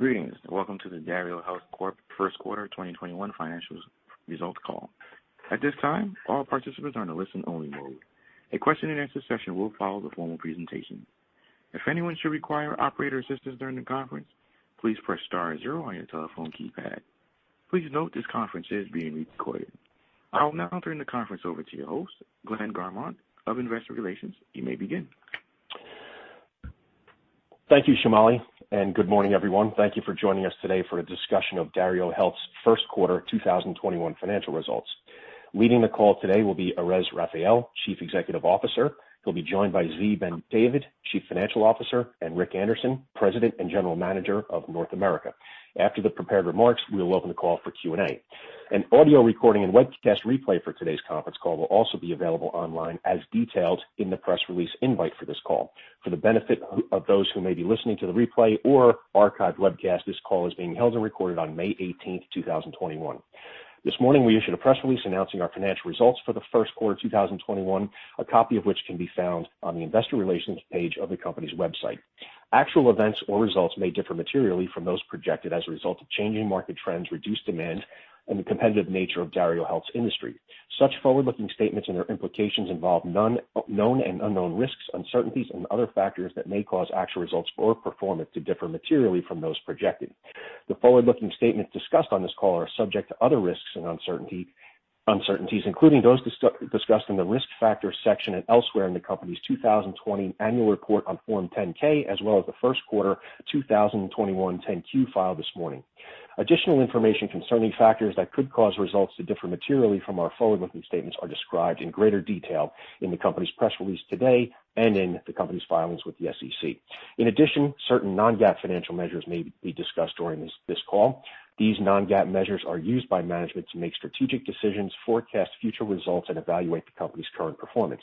Greetings, and welcome to the DarioHealth Corp First Quarter 2021 Financial Results Call. At this time, all participants are in a listen-only mode. A question-and-answer session will follow the formal presentation. If anyone should require operator assistance during the conference, please press star zero on your telephone keypad. Please note this conference is being recorded. I will now turn the conference over to your host, Glenn Garmont of Investor Relations. You may begin. Thank you, Shomali, and good morning, everyone. Thank you for joining us today for a discussion of DarioHealth's first quarter 2021 financial results. Leading the call today will be Erez Raphael, Chief Executive Officer, who'll be joined by Zvi Ben-David, Chief Financial Officer, and Rick Anderson, President and General Manager of North America. After the prepared remarks, we will open the call for Q&A. An audio recording and webcast replay for today's conference call will also be available online as detailed in the press release invite for this call. For the benefit of those who may be listening to the replay or archived webcast, this call is being held and recorded on May 18, 2021. This morning, we issued a press release announcing our financial results for the first quarter of 2021, a copy of which can be found on the investor relations page of the company's website. Actual events or results may differ materially from those projected as a result of changing market trends, reduced demand, and the competitive nature of DarioHealth's industry. Such forward-looking statements and their implications involve known and unknown risks, uncertainties, and other factors that may cause actual results or performance to differ materially from those projected. The forward-looking statements discussed on this call are subject to other risks and uncertainties, including those discussed in the Risk Factors section and elsewhere in the company's 2020 annual report on Form 10-K, as well as the first quarter 2021 10-Q filed this morning. Additional information concerning factors that could cause results to differ materially from our forward-looking statements are described in greater detail in the company's press release today and in the company's filings with the SEC. In addition, certain non-GAAP financial measures may be discussed during this call. These non-GAAP measures are used by management to make strategic decisions, forecast future results, and evaluate the company's current performance.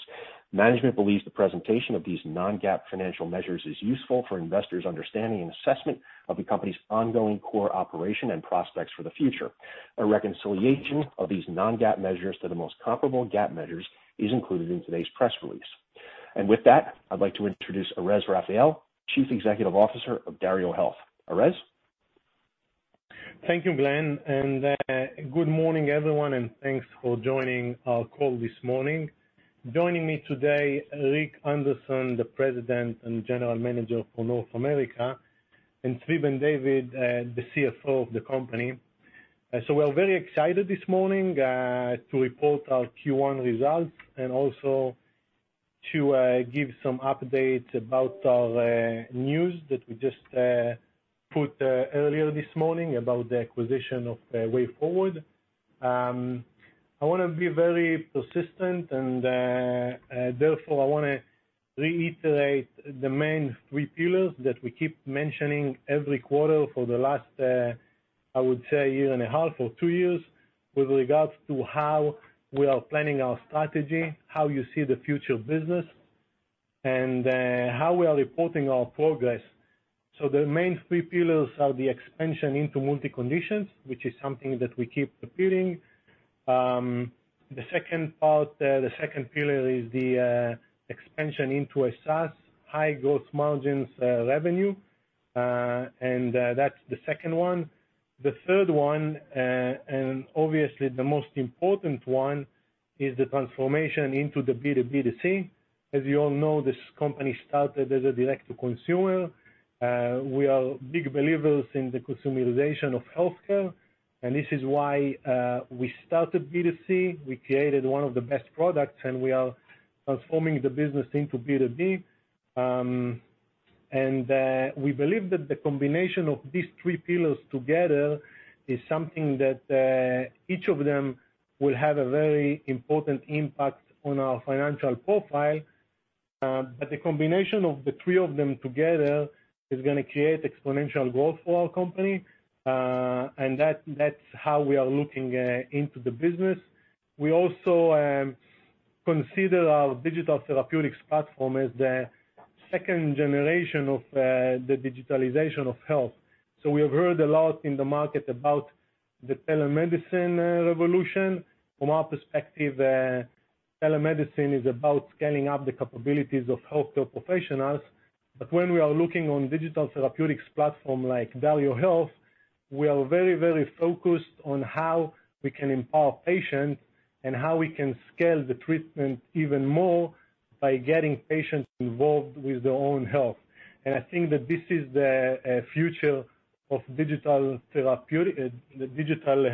Management believes the presentation of these non-GAAP financial measures is useful for investors understanding assessment of the company's ongoing core operation and prospects for the future. A reconciliation of these non-GAAP measures to the most comparable GAAP measures is included in today's press release. With that, I'd like to introduce Erez Raphael, Chief Executive Officer of DarioHealth. Erez? Thank you, Glenn, good morning, everyone, and thanks for joining our call this morning. Joining me today, Rick Anderson, the President and General Manager for North America, and Zvi Ben-David, the CFO of the company. We're very excited this morning to report our Q1 results and also to give some updates about our news that we just put earlier this morning about the acquisition of wayForward. I want to be very persistent and, therefore, I want to reiterate the main three pillars that we keep mentioning every quarter for the last, I would say, one and a half or two years with regards to how we are planning our strategy, how you see the future business, and how we are reporting our progress. The main three pillars are the expansion into multi-conditions, which is something that we keep repeating. The second pillar is the expansion into a SaaS high growth margins revenue, that's the second one. The third one, obviously the most important one, is the transformation into the B2B2C. As you all know, this company started as a direct-to-consumer. We are big believers in the consumerization of healthcare, this is why we started B2C. We created one of the best products, we are transforming the business into B2B. We believe that the combination of these three pillars together is something that each of them will have a very important impact on our financial profile. The combination of the three of them together is going to create exponential growth for our company, that's how we are looking into the business. We also consider our digital therapeutics platform as the second generation of the digitalization of health. We have heard a lot in the market about the telemedicine revolution. From our perspective, telemedicine is about scaling up the capabilities of healthcare professionals. When we are looking on digital therapeutics platform like DarioHealth, we are very focused on how we can empower patients and how we can scale the treatment even more by getting patients involved with their own health. I think that this is the future of digital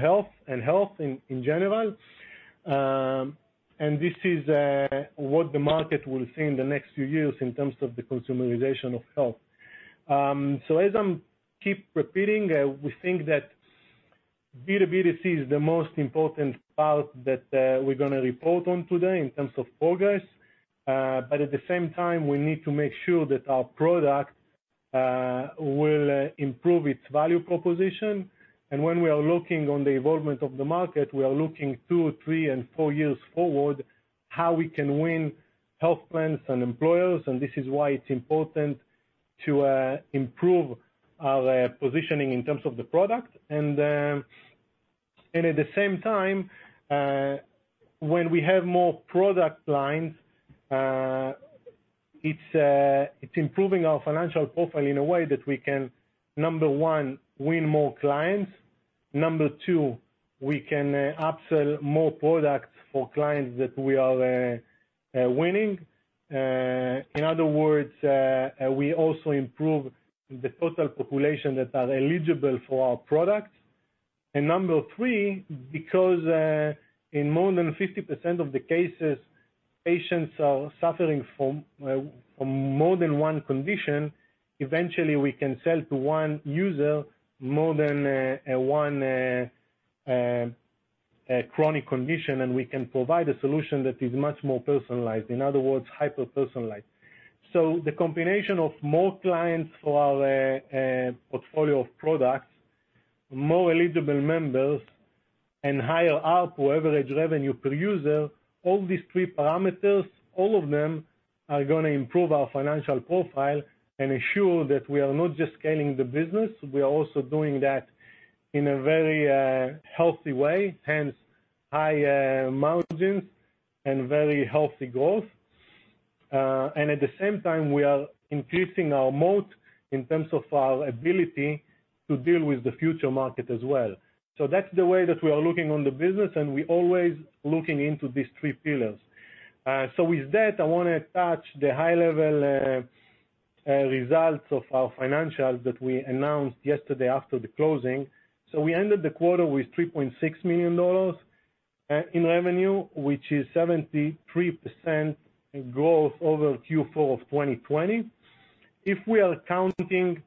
health and health in general. This is what the market will see in the next few years in terms of the consumerization of health. As I'm keep repeating, we think that B2B2C is the most important part that we're going to report on today in terms of progress. At the same time, we need to make sure that our product will improve its value proposition. When we are looking on the involvement of the market, we are looking two, three, and four years forward how we can win health plans and employers, and this is why it's important to improve our positioning in terms of the product. At the same time, when we have more product lines, it's improving our financial profile in a way that we can, number one, win more clients. Number two, we can upsell more products for clients that we are winning. In other words, we also improve the total population that are eligible for our product. Number three, because in more than 50% of the cases, patients are suffering from more than one condition, eventually we can sell to one user more than one chronic condition, and we can provide a solution that is much more personalized. In other words, hyper-personalized. The combination of more clients for our portfolio of products, more eligible members, and higher ARPU, average revenue per user, all these three parameters, all of them are going to improve our financial profile and ensure that we are not just scaling the business, we are also doing that in a very healthy way, hence high margins and very healthy growth. At the same time, we are increasing our moat in terms of our ability to deal with the future market as well. That's the way that we are looking on the business, and we're always looking into these three pillars. With that, I want to touch the high-level results of our financials that we announced yesterday after the closing. We ended the quarter with $3.6 million in revenue, which is 73% growth over Q4 of 2020. If we are counting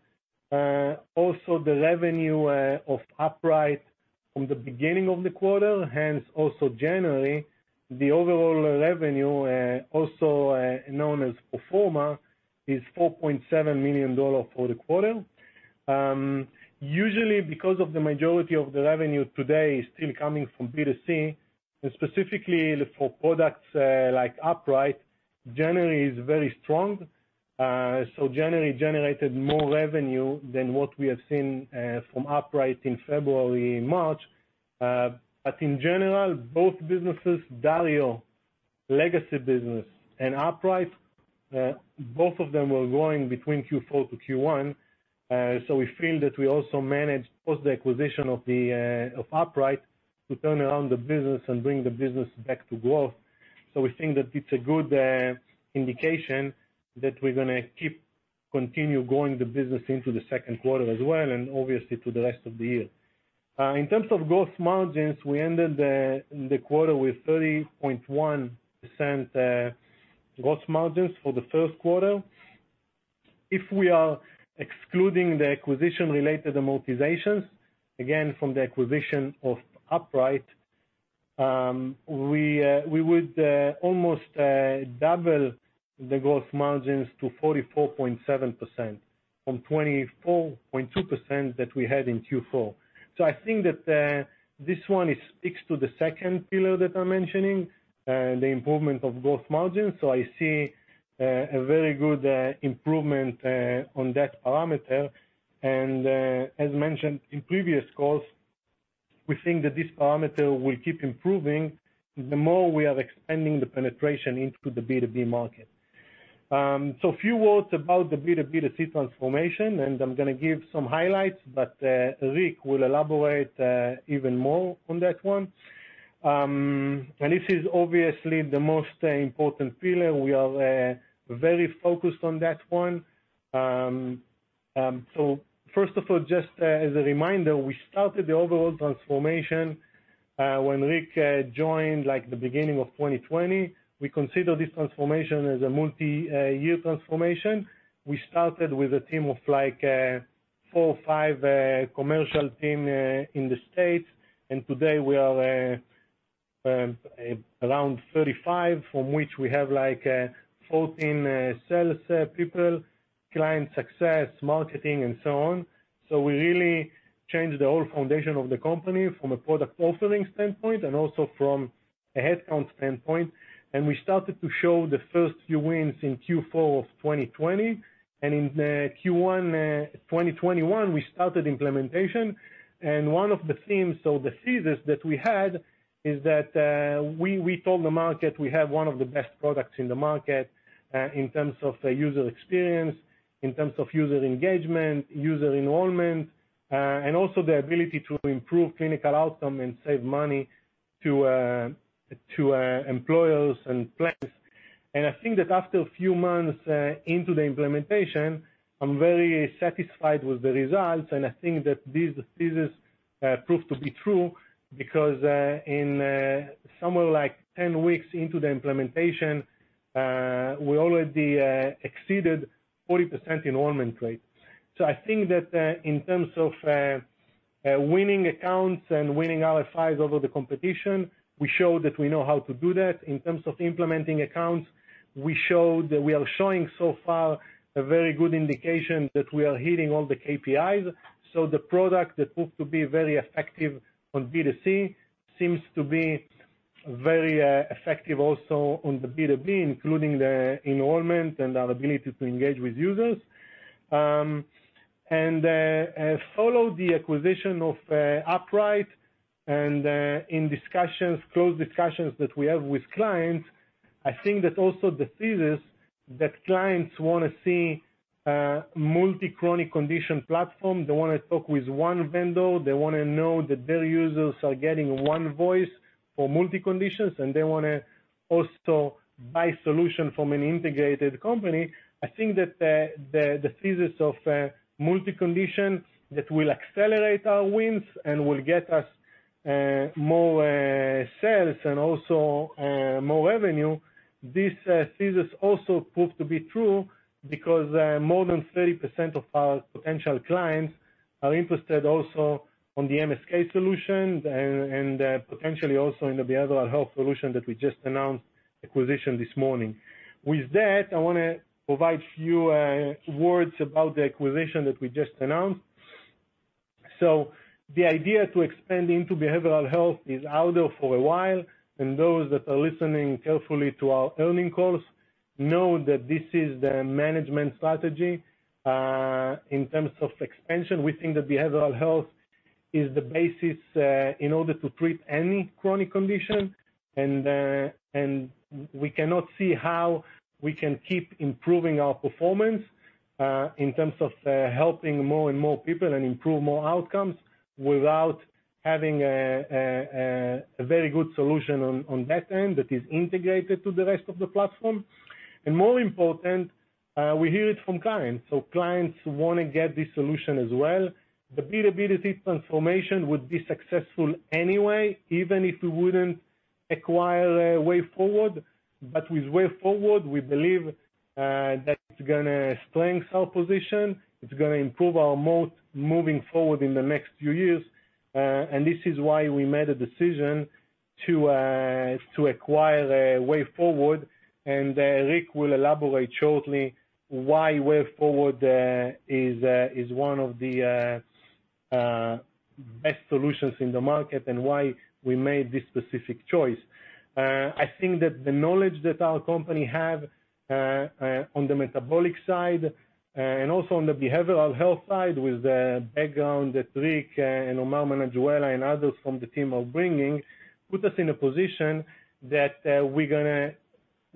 also the revenue of Upright from the beginning of the quarter, hence also January, the overall revenue, also known as pro forma, is $4.7 million for the quarter. Usually, because of the majority of the revenue today is still coming from B2C, and specifically for products like Upright, January is very strong. January generated more revenue than what we have seen from Upright in February, March. In general, both businesses, Dario legacy business and Upright, both of them were growing between Q4 to Q1. We feel that we also managed post the acquisition of Upright to turn around the business and bring the business back to growth. We think that it's a good indication that we're going to keep continue growing the business into the second quarter as well, and obviously to the rest of the year. In terms of gross margins, we ended the quarter with 30.1% gross margins for the first quarter. If we are excluding the acquisition-related amortizations, again, from the acquisition of Upright, we would almost double the gross margins to 44.7% from 24.2% that we had in Q4. I think that this one sticks to the second pillar that I'm mentioning, the improvement of gross margins. I see a very good improvement on that parameter. As mentioned in previous calls, we think that this parameter will keep improving the more we are expanding the penetration into the B2B market. A few words about the B2B2C transformation, and I'm going to give some highlights, but Rick will elaborate even more on that one. This is obviously the most important pillar. We are very focused on that one. First of all, just as a reminder, we started the overall transformation when Rick joined the beginning of 2020. We consider this transformation as a multi-year transformation. We started with a team of four or five commercial team in the States, and today we are around 35, from which we have 14 salespeople, client success, marketing, and so on. We really changed the whole foundation of the company from a product offering standpoint and also from a headcount standpoint. We started to show the first few wins in Q4 of 2020. In Q1 2021, we started implementation. One of the themes or the thesis that we had is that we told the market we have one of the best products in the market in terms of user experience, in terms of user engagement, user enrollment, and also the ability to improve clinical outcome and save money to employers and plans. I think that after a few months into the implementation, I'm very satisfied with the results, and I think that this thesis proved to be true, because in somewhere like 10 weeks into the implementation, we already exceeded 40% enrollment rate. I think that in terms of winning accounts and winning RFIs over the competition, we showed that we know how to do that. In terms of implementing accounts, we are showing so far a very good indication that we are hitting all the KPIs. The product that proved to be very effective on B2C seems to be very effective also on the B2B, including the enrollment and our ability to engage with users. Follow the acquisition of Upright and in close discussions that we have with clients, I think that also the thesis that clients want to see a multi chronic condition platform. They want to talk with one vendor. They want to know that their users are getting one voice for multi conditions, and they want to also buy solution from an integrated company. I think that the thesis of multi condition, that will accelerate our wins and will get us more sales and also more revenue. This thesis also proved to be true because more than 30% of our potential clients are interested also on the MSK solution and potentially also in the behavioral health solution that we just announced acquisition this morning. With that, I want to provide you words about the acquisition that we just announced. The idea to expand into behavioral health is out there for a while, and those that are listening carefully to our earnings calls know that this is the management strategy. In terms of expansion, we think that behavioral health is the basis in order to treat any chronic condition. We cannot see how we can keep improving our performance, in terms of helping more and more people and improve more outcomes without having a very good solution on that end that is integrated to the rest of the platform. More important, we hear it from clients. Clients want to get this solution as well. The B2B2C transformation would be successful anyway, even if we wouldn't acquire wayForward. With wayForward, we believe that it's going to strengthen our position. It's going to improve our moat moving forward in the next few years. This is why we made a decision to acquire wayForward. Rick will elaborate shortly why wayForward is one of the best solutions in the market and why we made this specific choice. I think that the knowledge that our company have, on the metabolic side and also on the behavioral health side, with the background that Rick and Omar and Joella and others from the team are bringing, put us in a position that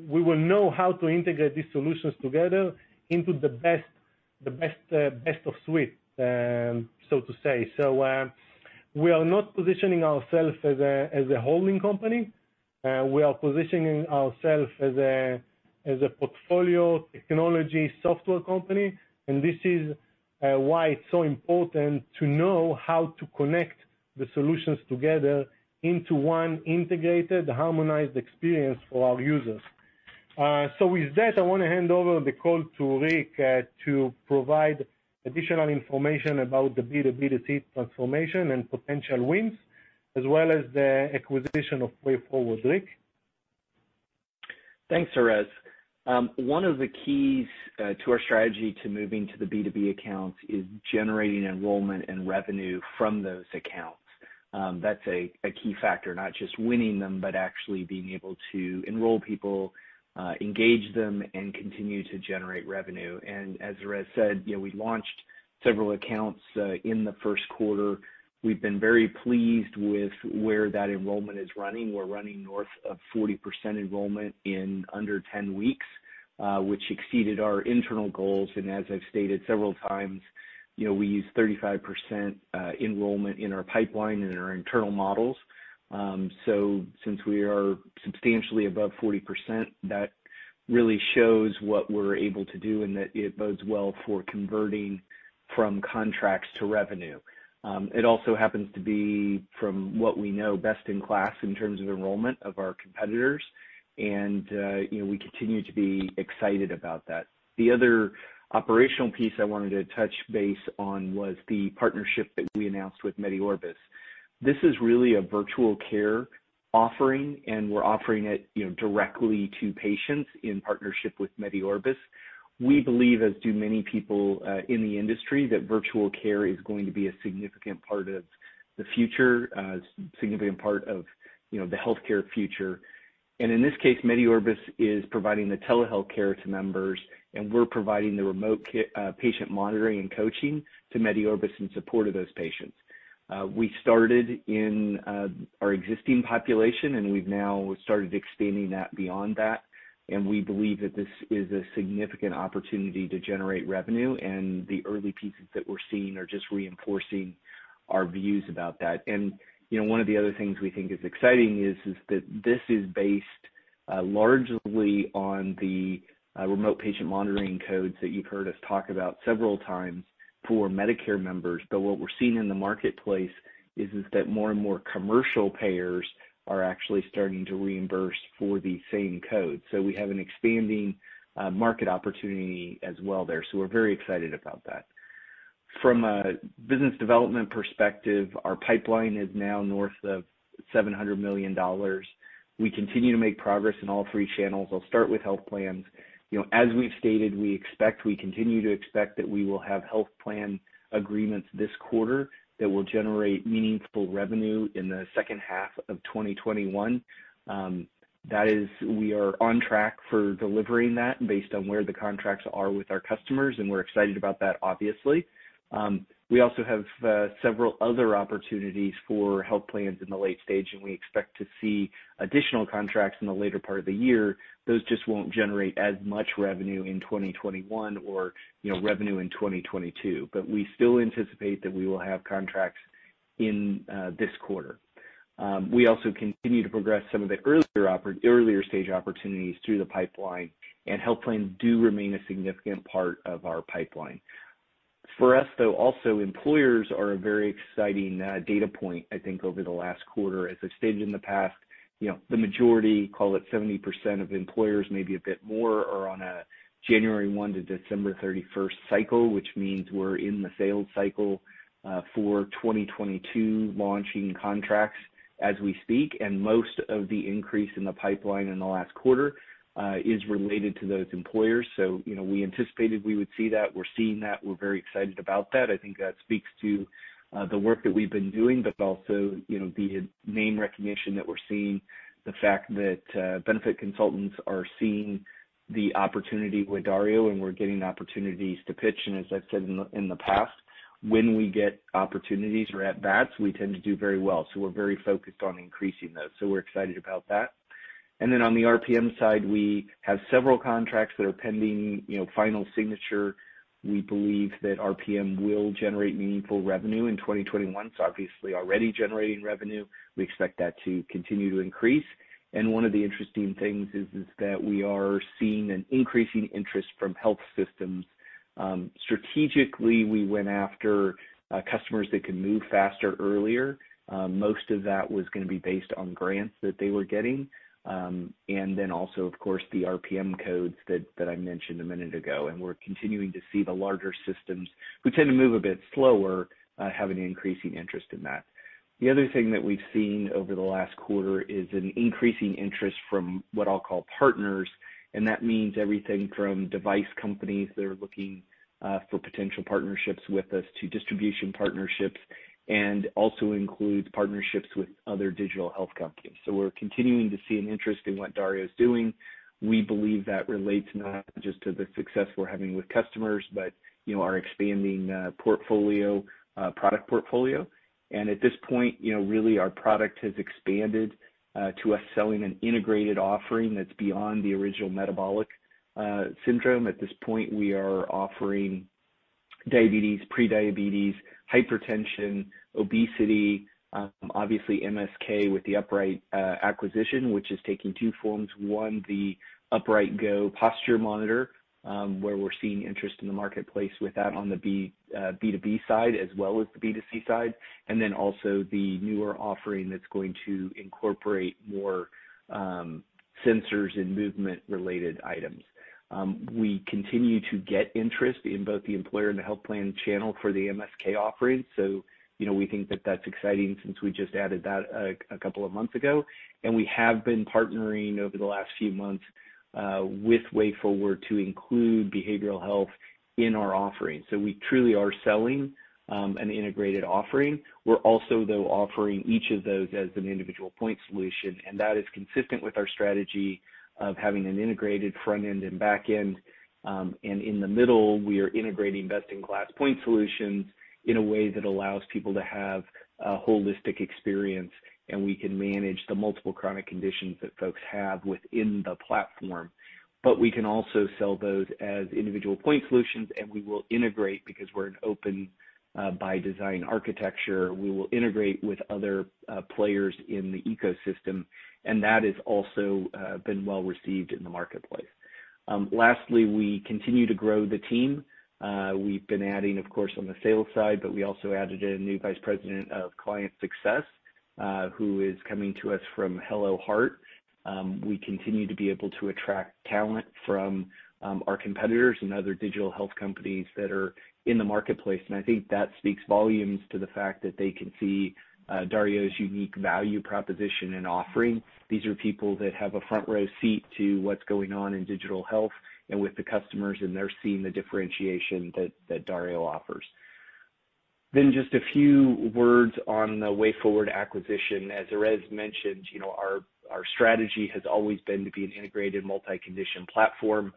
we will know how to integrate these solutions together into the best of suite, so to say. We are not positioning ourselves as a holding company. We are positioning ourselves as a portfolio technology software company, and this is why it's so important to know how to connect the solutions together into one integrated, harmonized experience for our users. With that, I want to hand over the call to Rick to provide additional information about the B2B2C transformation and potential wins, as well as the acquisition of wayForward. Rick? Thanks, Erez. One of the keys to our strategy to moving to the B2B accounts is generating enrollment and revenue from those accounts. That's a key factor, not just winning them, but actually being able to enroll people, engage them, and continue to generate revenue. As Erez said, we launched several accounts in the first quarter. We've been very pleased with where that enrollment is running. We're running north of 40% enrollment in under 10 weeks, which exceeded our internal goals. As I've stated several times, we use 35% enrollment in our pipeline in our internal models. Since we are substantially above 40%, that really shows what we're able to do and that it bodes well for converting from contracts to revenue. It also happens to be, from what we know, best in class in terms of enrollment of our competitors, and we continue to be excited about that. The other operational piece I wanted to touch base on was the partnership that we announced with MediOrbis. This is really a virtual care offering, and we're offering it directly to patients in partnership with MediOrbis. We believe, as do many people in the industry, that virtual care is going to be a significant part of the healthcare future. In this case, MediOrbis is providing the telehealth care to members, and we're providing the remote patient monitoring and coaching to MediOrbis in support of those patients. We started in our existing population, and we've now started expanding that beyond that, and we believe that this is a significant opportunity to generate revenue, and the early pieces that we're seeing are just reinforcing our views about that. One of the other things we think is exciting is that this is based largely on the remote patient monitoring codes that you've heard us talk about several times for Medicare members. What we're seeing in the marketplace is that more and more commercial payers are actually starting to reimburse for the same codes. We have an expanding market opportunity as well there. We're very excited about that. From a business development perspective, our pipeline is now north of $700 million. We continue to make progress in all three channels. I'll start with health plans. As we've stated, we continue to expect that we will have health plan agreements this quarter that will generate meaningful revenue in the second half of 2021. That is, we are on track for delivering that based on where the contracts are with our customers, and we're excited about that, obviously. We also have several other opportunities for health plans in the late stage, and we expect to see additional contracts in the later part of the year. Those just won't generate as much revenue in 2021 or revenue in 2022. We still anticipate that we will have contracts in this quarter. We also continue to progress some of the earlier-stage opportunities through the pipeline, and health plans do remain a significant part of our pipeline. For us, though, also, employers are a very exciting data point, I think, over the last quarter. As I've stated in the past, the majority, call it 70% of employers, maybe a bit more, are on a January 1 to December 31st cycle, which means we're in the sales cycle for 2022, launching contracts as we speak. Most of the increase in the pipeline in the last quarter is related to those employers. We anticipated we would see that. We're seeing that. We're very excited about that. I think that speaks to the work that we've been doing, but also the main recognition that we're seeing the fact that benefit consultants are seeing the opportunity with Dario, and we're getting opportunities to pitch. As I've said in the past, when we get opportunities or at-bats, we tend to do very well. We're very focused on increasing those, so we're excited about that. Then on the RPM side, we have several contracts that are pending final signature. We believe that RPM will generate meaningful revenue in 2021. It's obviously already generating revenue. We expect that to continue to increase. One of the interesting things is that we are seeing an increasing interest from health systems. Strategically, we went after customers that can move faster earlier. Most of that was going to be based on grants that they were getting, and then also, of course, the RPM codes that I mentioned a minute ago, and we're continuing to see the larger systems who tend to move a bit slower, having increasing interest in that. The other thing that we've seen over the last quarter is an increasing interest from what I'll call partners, and that means everything from device companies that are looking for potential partnerships with us to distribution partnerships and also includes partnerships with other digital health companies. We're continuing to see an interest in what Dario's doing. We believe that relates not just to the success we're having with customers, but our expanding product portfolio. At this point, really our product has expanded to us selling an integrated offering that's beyond the original metabolic syndrome. At this point, we are offering diabetes, pre-diabetes, hypertension, obesity, obviously MSK with the Upright acquisition, which is taking two forms. The Upright Go posture monitor, where we're seeing interest in the marketplace with that on the B2B side as well as the B2C side, also the newer offering that's going to incorporate more sensors and movement-related items. We continue to get interest in both the employer and the health plan channel for the MSK offering. We think that that's exciting since we just added that a couple of months ago. We have been partnering over the last few months with wayForward to include behavioral health in our offering. We truly are selling an integrated offering. We're also, though, offering each of those as an individual point solution. That is consistent with our strategy of having an integrated front end and back end. In the middle, we are integrating best-in-class point solutions in a way that allows people to have a holistic experience, and we can manage the multiple chronic conditions that folks have within the platform. We can also sell those as individual point solutions, and we will integrate because we're an open-by-design architecture. We will integrate with other players in the ecosystem, and that has also been well received in the marketplace. Lastly, we continue to grow the team. We've been adding, of course, on the sales side, but we also added a new vice president of client success who is coming to us from Hello Heart. We continue to be able to attract talent from our competitors and other digital health companies that are in the marketplace, and I think that speaks volumes to the fact that they can see Dario's unique value proposition and offering. These are people that have a front-row seat to what's going on in digital health and with the customers, and they're seeing the differentiation that Dario offers. Just a few words on the wayForward acquisition. As Erez mentioned, our strategy has always been to be an integrated multi-condition platform.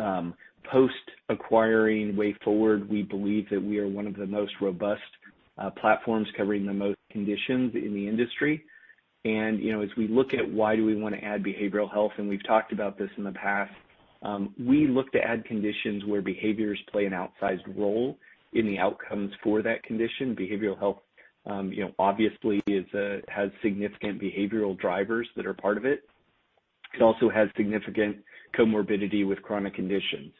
Post acquiring wayForward, we believe that we are one of the most robust platforms covering the most conditions in the industry. As we look at why do we want to add behavioral health, and we've talked about this in the past, we look to add conditions where behaviors play an outsized role in the outcomes for that condition. Behavioral health obviously has significant behavioral drivers that are part of it. It also has significant comorbidity with chronic conditions.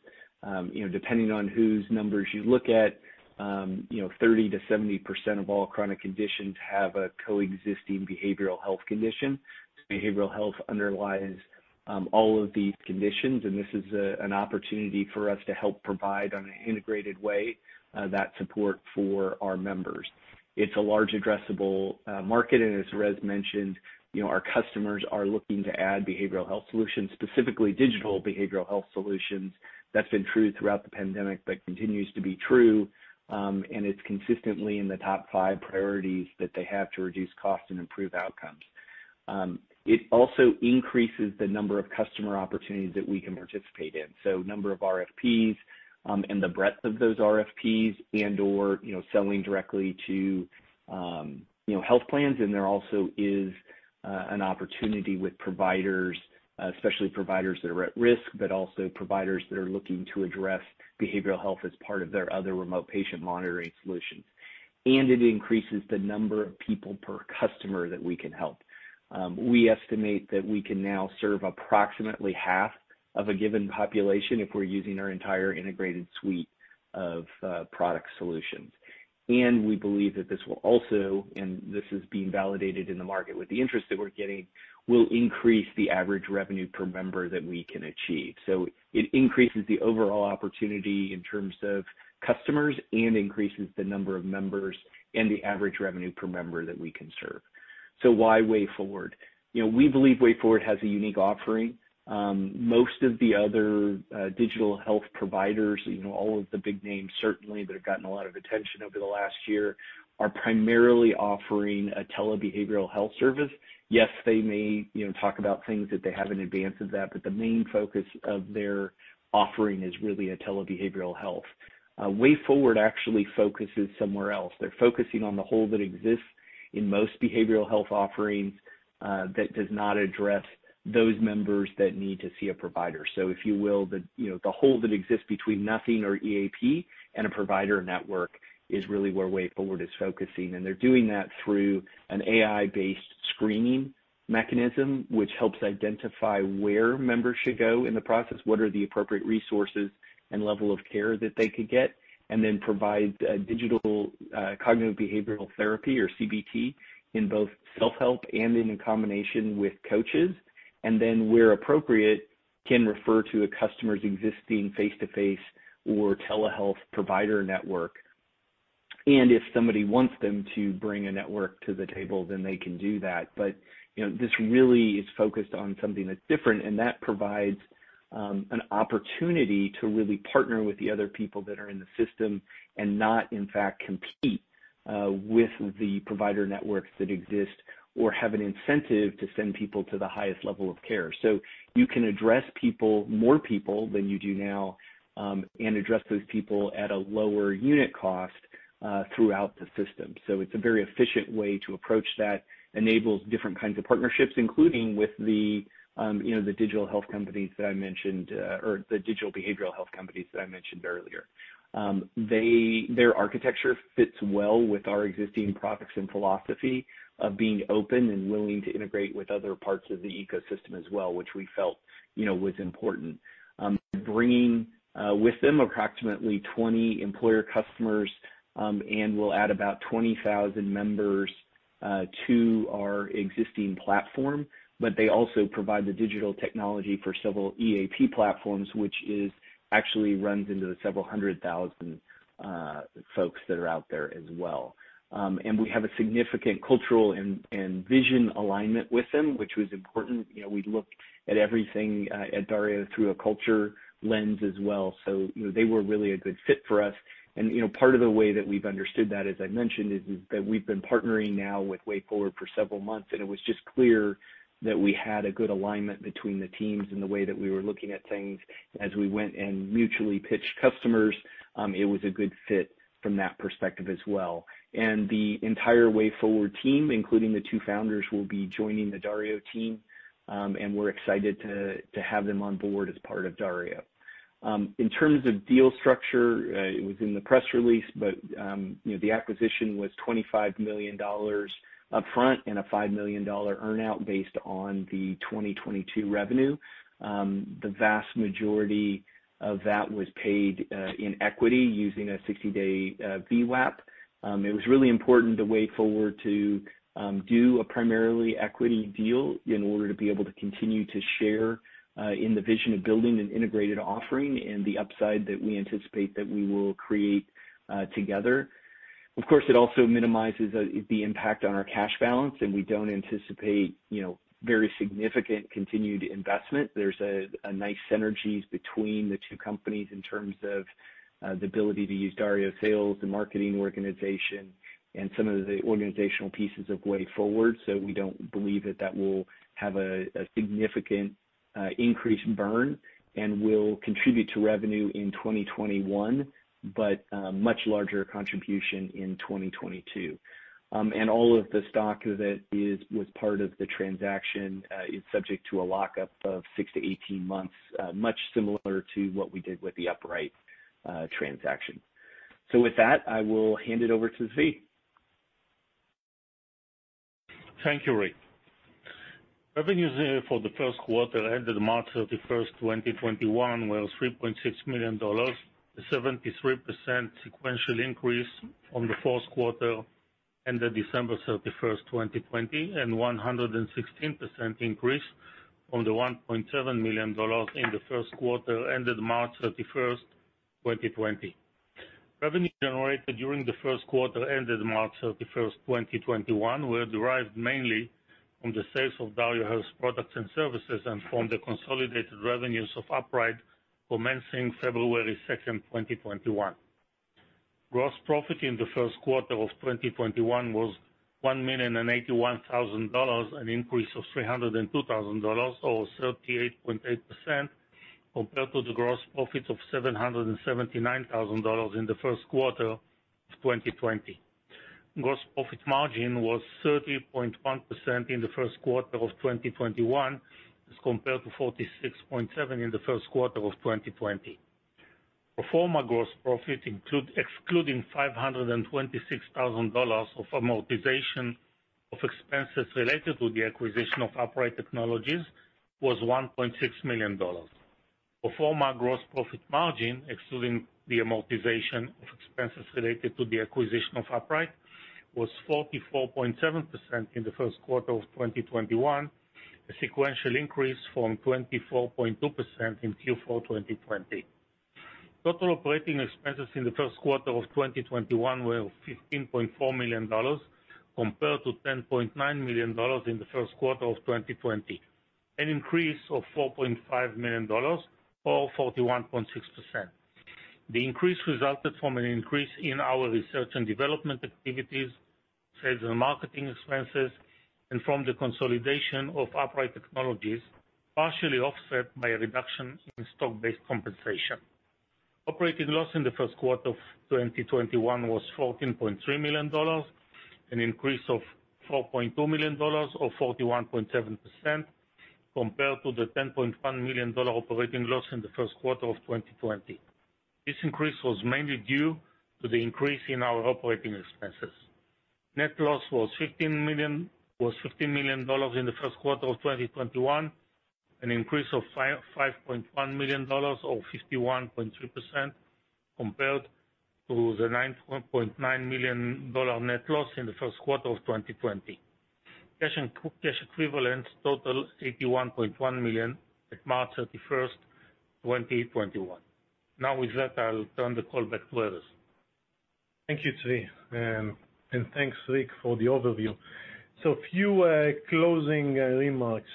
Depending on whose numbers you look at, 30%-70% of all chronic conditions have a coexisting behavioral health condition. Behavioral health underlies all of these conditions, and this is an opportunity for us to help provide, in an integrated way, that support for our members. It's a large addressable market, and as Erez mentioned, our customers are looking to add behavioral health solutions, specifically digital behavioral health solutions. That's been true throughout the pandemic, but continues to be true, and it's consistently in the top five priorities that they have to reduce cost and improve outcomes. It also increases the number of customer opportunities that we can participate in. Number of RFPs, and the breadth of those RFPs and/or selling directly to health plans. There also is an opportunity with providers, especially providers that are at risk, but also providers that are looking to address behavioral health as part of their other remote patient monitoring solutions. It increases the number of people per customer that we can help. We estimate that we can now serve approximately half of a given population if we're using our entire integrated suite of product solutions. We believe that this will also, and this is being validated in the market with the interest that we're getting, will increase the average revenue per member that we can achieve. It increases the overall opportunity in terms of customers and increases the number of members and the average revenue per member that we can serve. Why wayForward? We believe wayForward has a unique offering. Most of the other digital health providers, all of the big names certainly that have gotten a lot of attention over the last year, are primarily offering a telebehavioral health service. Yes, they may talk about things that they have in advance of that, but the main focus of their offering is really a telebehavioral health. wayForward actually focuses somewhere else. They're focusing on the hole that exists in most behavioral health offerings that does not address those members that need to see a provider. If you will, the hole that exists between nothing or EAP and a provider network is really where wayForward is focusing. They're doing that through an AI-based screening mechanism, which helps identify where members should go in the process, what are the appropriate resources and level of care that they could get, and then provides digital cognitive behavioral therapy or CBT in both self-help and in combination with coaches. Then where appropriate, can refer to a customer's existing face-to-face or telehealth provider network. If somebody wants them to bring a network to the table, then they can do that. This really is focused on something that's different, and that provides an opportunity to really partner with the other people that are in the system and not, in fact, compete with the provider networks that exist or have an incentive to send people to the highest level of care. You can address more people than you do now, and address those people at a lower unit cost throughout the system. It's a very efficient way to approach that, enables different kinds of partnerships, including with the digital health companies that I mentioned, or the digital behavioral health companies that I mentioned earlier. Their architecture fits well with our existing products and philosophy of being open and willing to integrate with other parts of the ecosystem as well, which we felt was important. Bringing with them approximately 20 employer customers, and we'll add about 20,000 members to our existing platform. They also provide the digital technology for several EAP platforms, which actually runs into the several hundred thousand folks that are out there as well. We have a significant cultural and vision alignment with them, which was important. We looked at everything at DarioHealth through a culture lens as well. They were really a good fit for us. Part of the way that we've understood that, as I mentioned, is that we've been partnering now with wayForward for several months, and it was just clear that we had a good alignment between the teams and the way that we were looking at things as we went and mutually pitched customers. It was a good fit from that perspective as well. The entire wayForward team, including the two founders, will be joining the Dario team, and we're excited to have them on board as part of Dario. In terms of deal structure, it was in the press release, but the acquisition was $25 million upfront and a $5 million earn-out based on the 2022 revenue. The vast majority of that was paid in equity using a 60-day VWAP. It was really important to wayForward to do a primarily equity deal in order to be able to continue to share in the vision of building an integrated offering and the upside that we anticipate that we will create together. Of course, it also minimizes the impact on our cash balance, and we don't anticipate very significant continued investment. There's a nice synergy between the two companies in terms of the ability to use Dario sales and marketing organization and some of the organizational pieces of wayForward. We don't believe that that will have a significant increase in burn and will contribute to revenue in 2021, but a much larger contribution in 2022. All of the stock that was part of the transaction is subject to a lockup of six to 18 months, much similar to what we did with the Upright transaction. With that, I will hand it over to Zvi. Thank you, Rick. Revenues for the first quarter ended March 31st, 2021, were $3.6 million, a 73% sequential increase from the fourth quarter ended December 31st, 2020, and 116% increase from the $1.7 million in the first quarter ended March 31st, 2020. Revenue generated during the first quarter ended March 31st, 2021, were derived mainly from the sales of DarioHealth products and services, and from the consolidated revenues of Upright commencing February 2nd, 2021. Gross profit in the first quarter of 2021 was $1,081,000, an increase of $302,000, or 38.8%, compared to the gross profit of $779,000 in the first quarter of 2020. Gross profit margin was 30.1% in the first quarter of 2021 as compared to 46.7% in the first quarter of 2020. Pro forma gross profit, excluding $526,000 of amortization of expenses related to the acquisition of Upright Technologies, was $1.6 million. Pro forma gross profit margin, excluding the amortization of expenses related to the acquisition of Upright, was 44.7% in the first quarter of 2021, a sequential increase from 24.2% in Q4 2020. Total operating expenses in the first quarter of 2021 were $15.4 million, compared to $10.9 million in the first quarter of 2020, an increase of $4.5 million or 41.6%. The increase resulted from an increase in our research and development activities, sales and marketing expenses, and from the consolidation of Upright Technologies, partially offset by a reduction in stock-based compensation. Operating loss in the first quarter of 2021 was $14.3 million, an increase of $4.2 million or 41.7%, compared to the $10.1 million operating loss in the first quarter of 2020. This increase was mainly due to the increase in our operating expenses. Net loss was $15 million in the first quarter of 2021, an increase of $5.1 million or 51.3%, compared to the $9.9 million net loss in the first quarter of 2020. Cash and cash equivalents totaled $81.1 million at March 31st, 2021. With that, I'll turn the call back to Erez. Thank you, Zvi, and thanks, Rick, for the overview. A few closing remarks.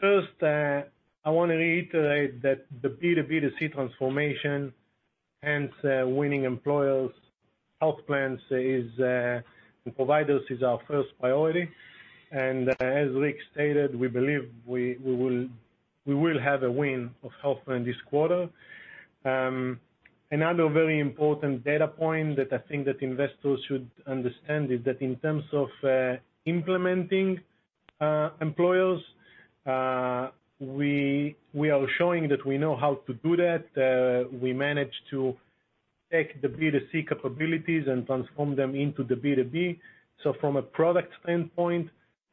First, I want to reiterate that the B2B2C transformation, hence winning employers, health plans, and providers is our first priority. As Rick stated, we believe we will have a win of health plan this quarter. Another very important data point that I think that investors should understand is that in terms of implementing employers, we are showing that we know how to do that. We managed to take the B2C capabilities and transform them into the B2B. From a product standpoint,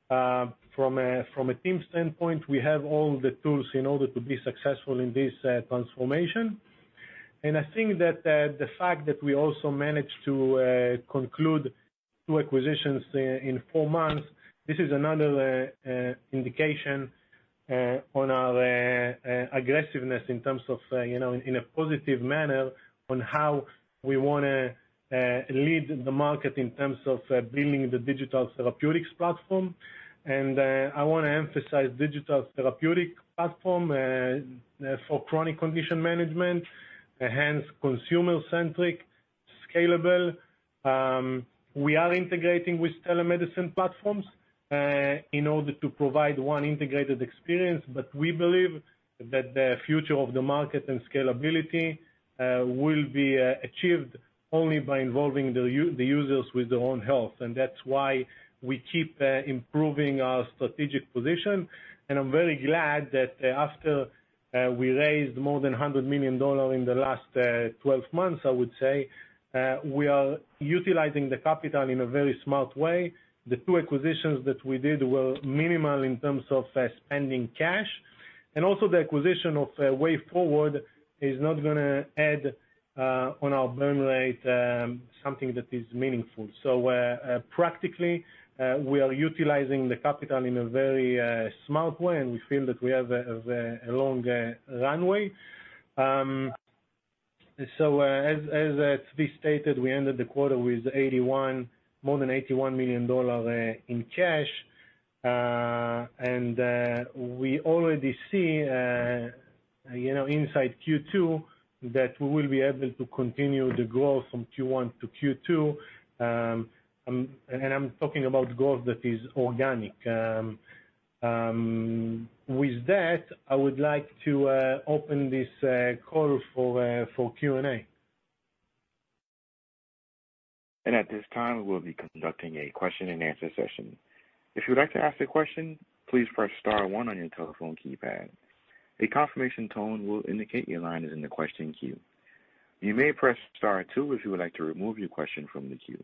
from a team standpoint, we have all the tools in order to be successful in this transformation. I think that the fact that we also managed to conclude two acquisitions in four months, this is another indication on our aggressiveness in terms of, in a positive manner, on how we want to lead the market in terms of building the digital therapeutics platform. I want to emphasize digital therapeutic platform for chronic condition management, hence consumer-centric, scalable. We are integrating with telemedicine platforms in order to provide one integrated experience, but we believe that the future of the market and scalability will be achieved only by involving the users with their own health, and that's why we keep improving our strategic position. I'm very glad that after we raised more than $100 million in the last 12 months, I would say, we are utilizing the capital in a very smart way. The two acquisitions that we did were minimal in terms of spending cash, and also the acquisition of wayForward is not going to add on our burn rate something that is meaningful. Practically, we are utilizing the capital in a very smart way, and we feel that we have a long runway. As Zvi stated, we ended the quarter with more than $81 million in cash. We already see inside Q2 that we will be able to continue the growth from Q1 to Q2. I'm talking about growth that is organic. With that, I would like to open this call for Q&A. And at this time, we'll be conducting a question-and-answer session. If you'd like to ask a question, please press star one on your telephone keypad. A confirmation tone will indicate your line is in the question queue. You may press star two if you would like to remove your question from the queue.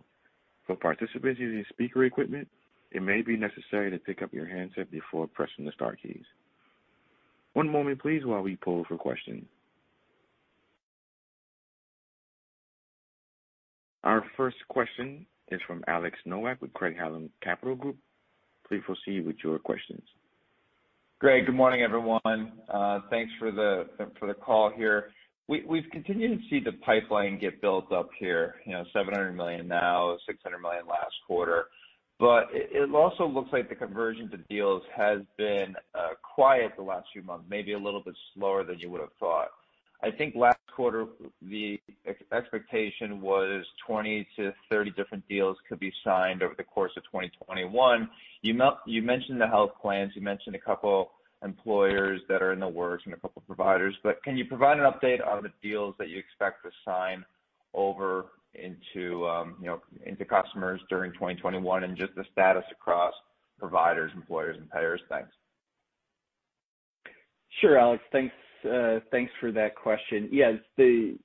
For participants using speaker equipment, it may be necessary to pick up your handset before pressing the star keys. One moment, please, while we poll for questions. Our first question is from Alex Nowak with Craig-Hallum Capital Group. Please proceed with your questions. Great. Good morning, everyone. Thanks for the call here. We've continued to see the pipeline get built up here, $700 million now, $600 million last quarter. It also looks like the conversion to deals has been quiet the last few months, maybe a little bit slower than you would've thought. I think last quarter, the expectation was 20-30 different deals could be signed over the course of 2021. You mentioned the health plans, you mentioned a couple employers that are in the works and a couple of providers, can you provide an update on the deals that you expect to sign over into customers during 2021 and just the status across providers, employers, and payers? Thanks. Sure, Alex, thanks for that question. Yes, the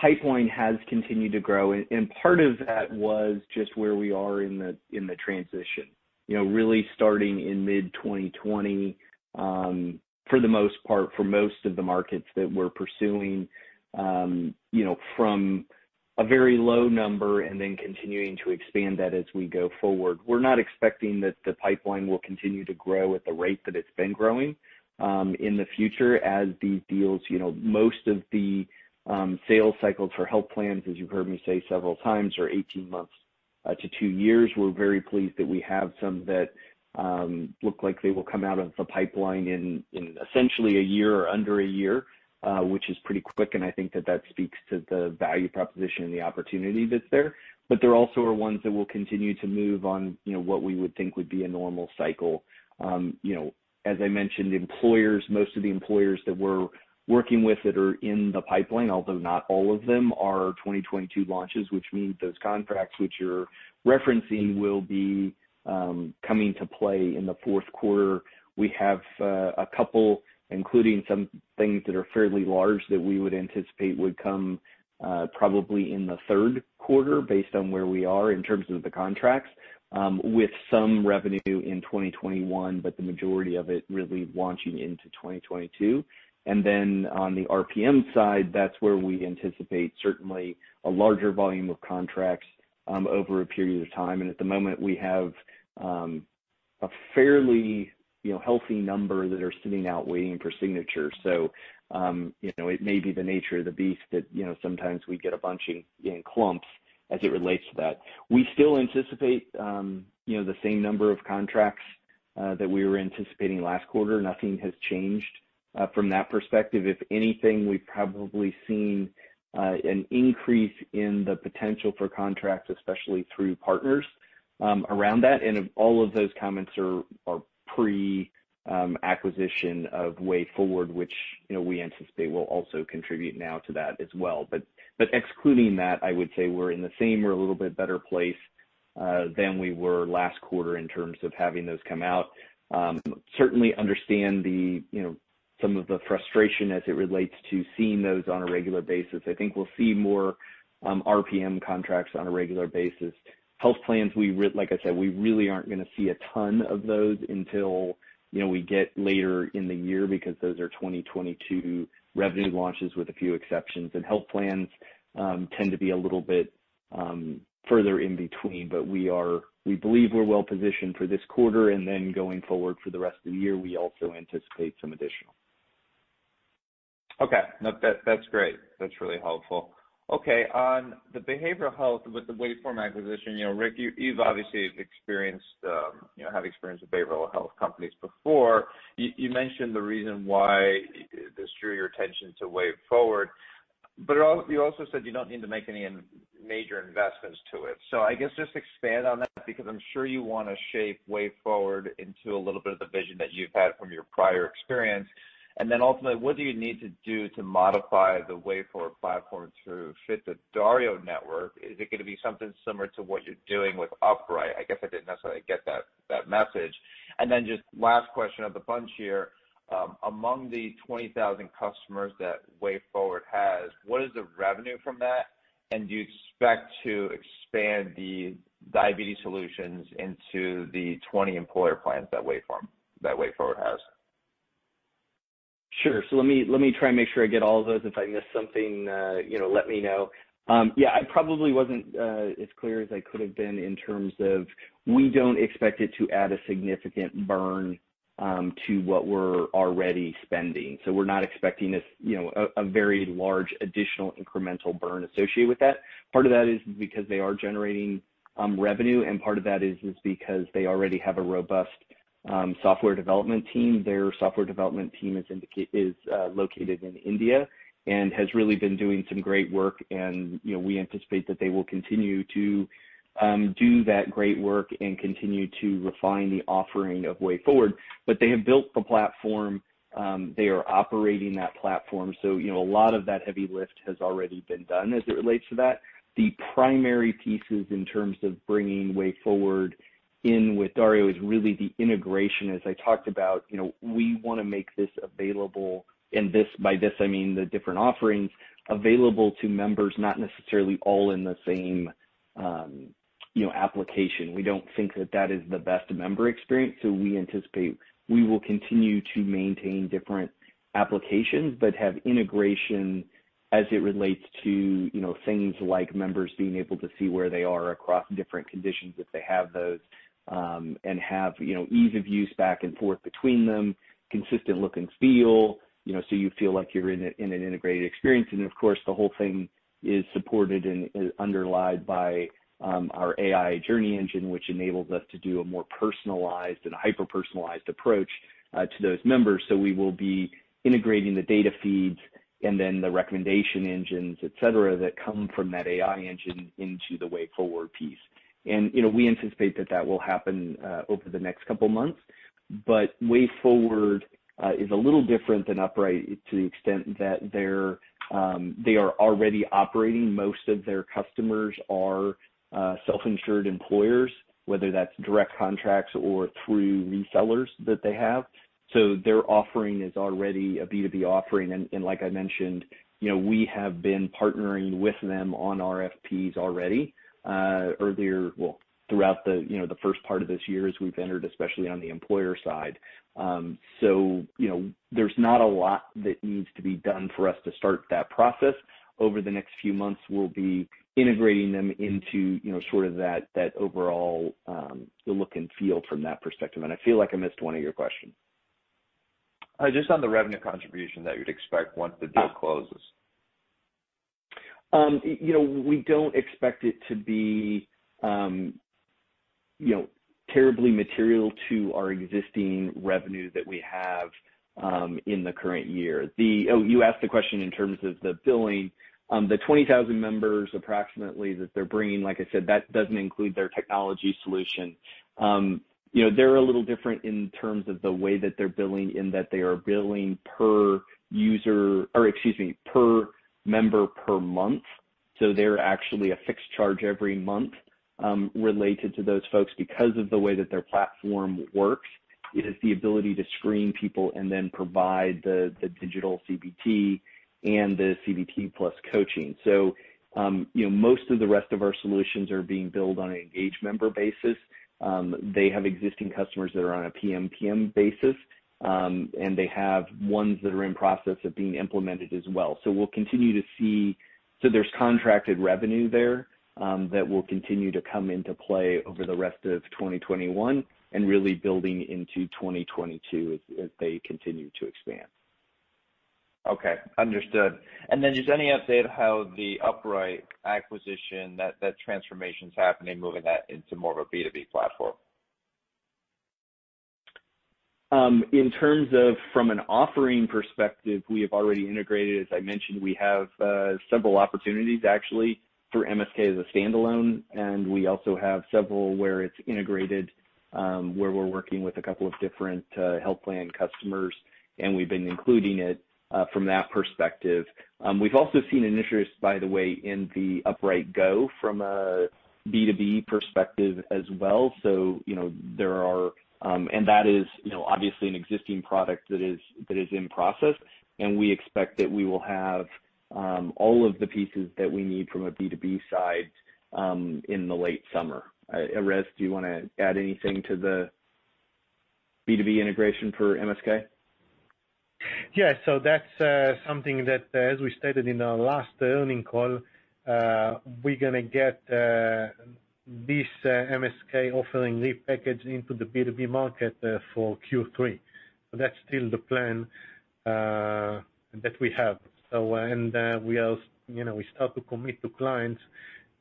pipeline has continued to grow, and part of that was just where we are in the transition. Really starting in mid-2020, for the most part, for most of the markets that we're pursuing, from a very low number and then continuing to expand that as we go forward. We're not expecting that the pipeline will continue to grow at the rate that it's been growing in the future as these deals, most of the sales cycles for health plans, as you've heard me say several times, are 18 months to two years. We're very pleased that we have some that look like they will come out of the pipeline in essentially a year or under a year, which is pretty quick, and I think that that speaks to the value proposition and the opportunity that's there. There also are ones that will continue to move on what we would think would be a normal cycle. As I mentioned, most of the employers that we're working with that are in the pipeline, although not all of them, are 2022 launches, which means those contracts which you're referencing will be coming to play in the fourth quarter. We have a couple, including some things that are fairly large that we would anticipate would come probably in the third quarter based on where we are in terms of the contracts, with some revenue in 2021, but the majority of it really launching into 2022. Then on the RPM side, that's where we anticipate certainly a larger volume of contracts over a period of time. At the moment, we have a fairly healthy number that are sitting out waiting for signature. It may be the nature of the beast that sometimes we get a bunch in clumps as it relates to that. We still anticipate the same number of contracts that we were anticipating last quarter. Nothing has changed from that perspective. If anything, we've probably seen an increase in the potential for contracts, especially through partners around that. All of those comments are pre-acquisition of wayForward, which we anticipate will also contribute now to that as well. Excluding that, I would say we're in the same or a little bit better place than we were last quarter in terms of having those come out. Certainly understand some of the frustration as it relates to seeing those on a regular basis. I think we'll see more RPM contracts on a regular basis. Health plans, like I said, we really aren't going to see a ton of those until we get later in the year because those are 2022 revenue launches with a few exceptions. Health plans tend to be a little bit further in between, but we believe we're well positioned for this quarter, and then going forward for the rest of the year, we also anticipate some additional. Okay. That's great. That's really helpful. Okay, on the behavioral health with the wayForward acquisition, Rick, you've obviously have experienced behavioral health companies before. You mentioned the reason why this drew your attention to wayForward, but you also said you don't need to make any major investments to it. I guess just expand on that because I'm sure you want to shape wayForward into a little bit of the vision that you've had from your prior experience. Ultimately, what do you need to do to modify the wayForward platform to fit the Dario network? Is it going to be something similar to what you're doing with Upright? I guess I didn't necessarily get that message. Just last question of the bunch here. Among the 20,000 customers that wayForward has, what is the revenue from that, and do you expect to expand the diabetes solutions into the 20 employer plans that wayForward has? Sure. Let me try to make sure I get all those. If I miss something, let me know. Yeah, I probably wasn't as clear as I could have been in terms of we don't expect it to add a significant burn to what we're already spending. We're not expecting a very large additional incremental burn associated with that. Part of that is because they are generating revenue, and part of that is because they already have a robust software development team. Their software development team is located in India and has really been doing some great work, and we anticipate that they will continue to do that great work and continue to refine the offering of wayForward. They have built the platform. They are operating that platform. A lot of that heavy lift has already been done as it relates to that. The primary pieces in terms of bringing wayForward in with Dario is really the integration, as I talked about. We want to make this available, by this I mean the different offerings, available to members, not necessarily all in the same application. We don't think that that is the best member experience, we anticipate we will continue to maintain different applications but have integration as it relates to things like members being able to see where they are across different conditions if they have those. Have ease of use back and forth between them, consistent look and feel, you feel like you're in an integrated experience. Of course, the whole thing is supported and is underlied by our AI journey engine, which enables us to do a more personalized and hyper-personalized approach to those members. We will be integrating the data feeds and then the recommendation engines, et cetera, that come from that AI engine into the wayForward piece. We anticipate that that will happen over the next couple of months. wayForward is a little different than Upright to the extent that they are already operating. Most of their customers are self-insured employers, whether that's direct contracts or through resellers that they have. Their offering is already a B2B offering. Like I mentioned, we have been partnering with them on RFPs already. Well, throughout the first part of this year, as we've entered, especially on the employer side. There's not a lot that needs to be done for us to start that process. Over the next few months, we'll be integrating them into that overall look and feel from that perspective. I feel like I missed one of your questions. Just on the revenue contribution that you'd expect once the deal closes. We don't expect it to be terribly material to our existing revenue that we have in the current year. You asked the question in terms of the billing. The 20,000 members approximately that they're bringing, like I said, that doesn't include their technology solution. They're a little different in terms of the way that they're billing, in that they are billing per member per month. They're actually a fixed charge every month related to those folks because of the way that their platform works is the ability to screen people and then provide the digital CBT and the CBT plus coaching. Most of the rest of our solutions are being billed on an engaged member basis. They have existing customers that are on a PMPM basis, and they have ones that are in process of being implemented as well. We'll continue to see. There's contracted revenue there that will continue to come into play over the rest of 2021 and really building into 2022 as they continue to expand. Okay, understood. Just any update of how the Upright acquisition, that transformation's happening, moving that into more of a B2B platform? In terms of from an offering perspective, we have already integrated. As I mentioned, we have several opportunities actually for MSK as a standalone, and we also have several where it's integrated, where we're working with a couple of different health plan customers, and we've been including it from that perspective. We've also seen interest, by the way, in the Upright Go from a B2B perspective as well. That is obviously an existing product that is in process, and we expect that we will have all of the pieces that we need from a B2B side in the late summer. Erez, do you want to add anything to the B2B integration for MSK? That's something that, as we stated in our last earnings call, we're going to get this MSK offering package into the B2B market for Q3. That's still the plan that we have. We start to commit to clients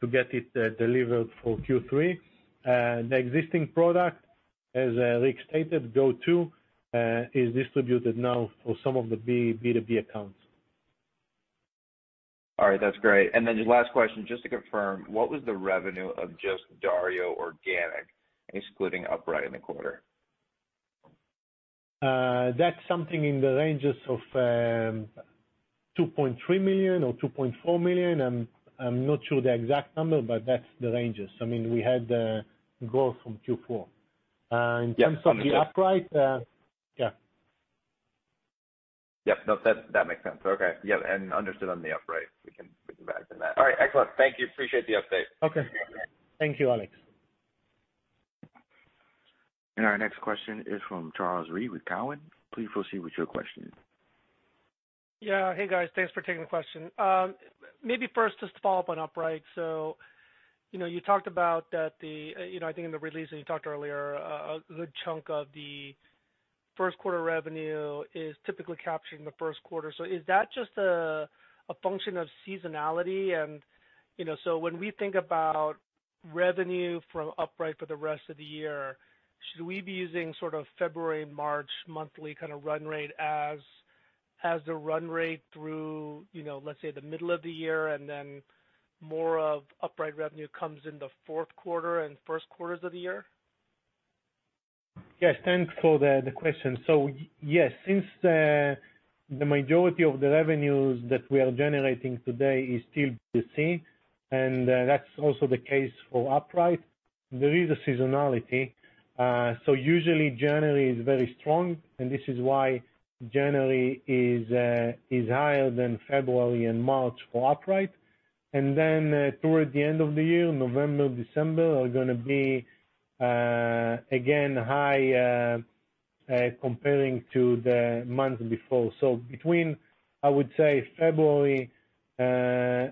to get it delivered for Q3. The existing product, as Rick stated, Go2, is distributed now for some of the B2B accounts. All right, that's great. Last question, just to confirm, what was the revenue of just Dario organic, excluding Upright in the quarter? That's something in the ranges of $2.3 million or $2.4 million. I'm not sure the exact number, but that's the ranges. I mean, we had growth from Q4. In terms of the Upright. Yeah. Yeah. Yeah. No, that makes sense. Okay. Yeah. Understood on the Upright. We can get back to that. All right, excellent. Thank you. Appreciate the update. Okay. Thank you, Alex. Our next question is from Charles Rhyee with Cowen. Please proceed with your question. Yeah. Hey, guys. Thanks for taking the question. Maybe first, just to follow up on Upright. You talked about that the, I think in the release, and you talked earlier, a good chunk of the first quarter revenue is typically captured in the first quarter. Is that just a function of seasonality? When we think about revenue for Upright for the rest of the year, should we be using sort of February, March monthly kind of run rate as the run rate through let's say the middle of the year and then more of Upright revenue comes in the fourth quarter and first quarters of the year? Yes. Thanks for the question. Yes, since the majority of the revenues that we are generating today is still B2C, and that's also the case for Upright. There is a seasonality. Usually January is very strong, and this is why January is higher than February and March for Upright. Towards the end of the year, November, December are going to be again high comparing to the months before. Between, I would say February and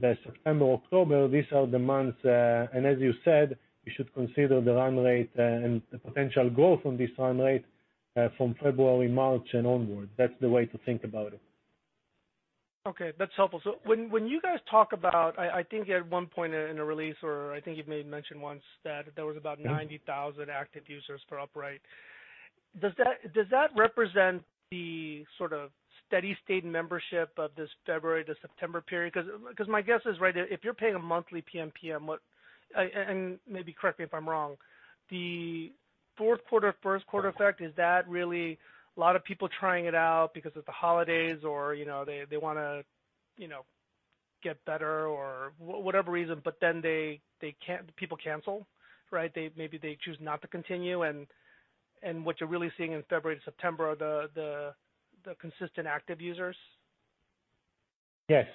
September, October, these are the months, and as you said, you should consider the run rate and the potential growth on this run rate from February, March, and onwards. That's the way to think about it. Okay, that's helpful. When you guys talk about, I think at one point in a release, or I think you may have mentioned once that there was about 90,000 active users for Upright. Does that represent the sort of steady state membership of this February to September period? Because my guess is right, if you're paying a monthly PMPM, and maybe correct me if I'm wrong, the fourth quarter, first quarter effect, is that really a lot of people trying it out because of the holidays or they want to get better or whatever reason, but then people cancel, right? Maybe they choose not to continue, and what you're really seeing in February, September are the consistent active users. Yes.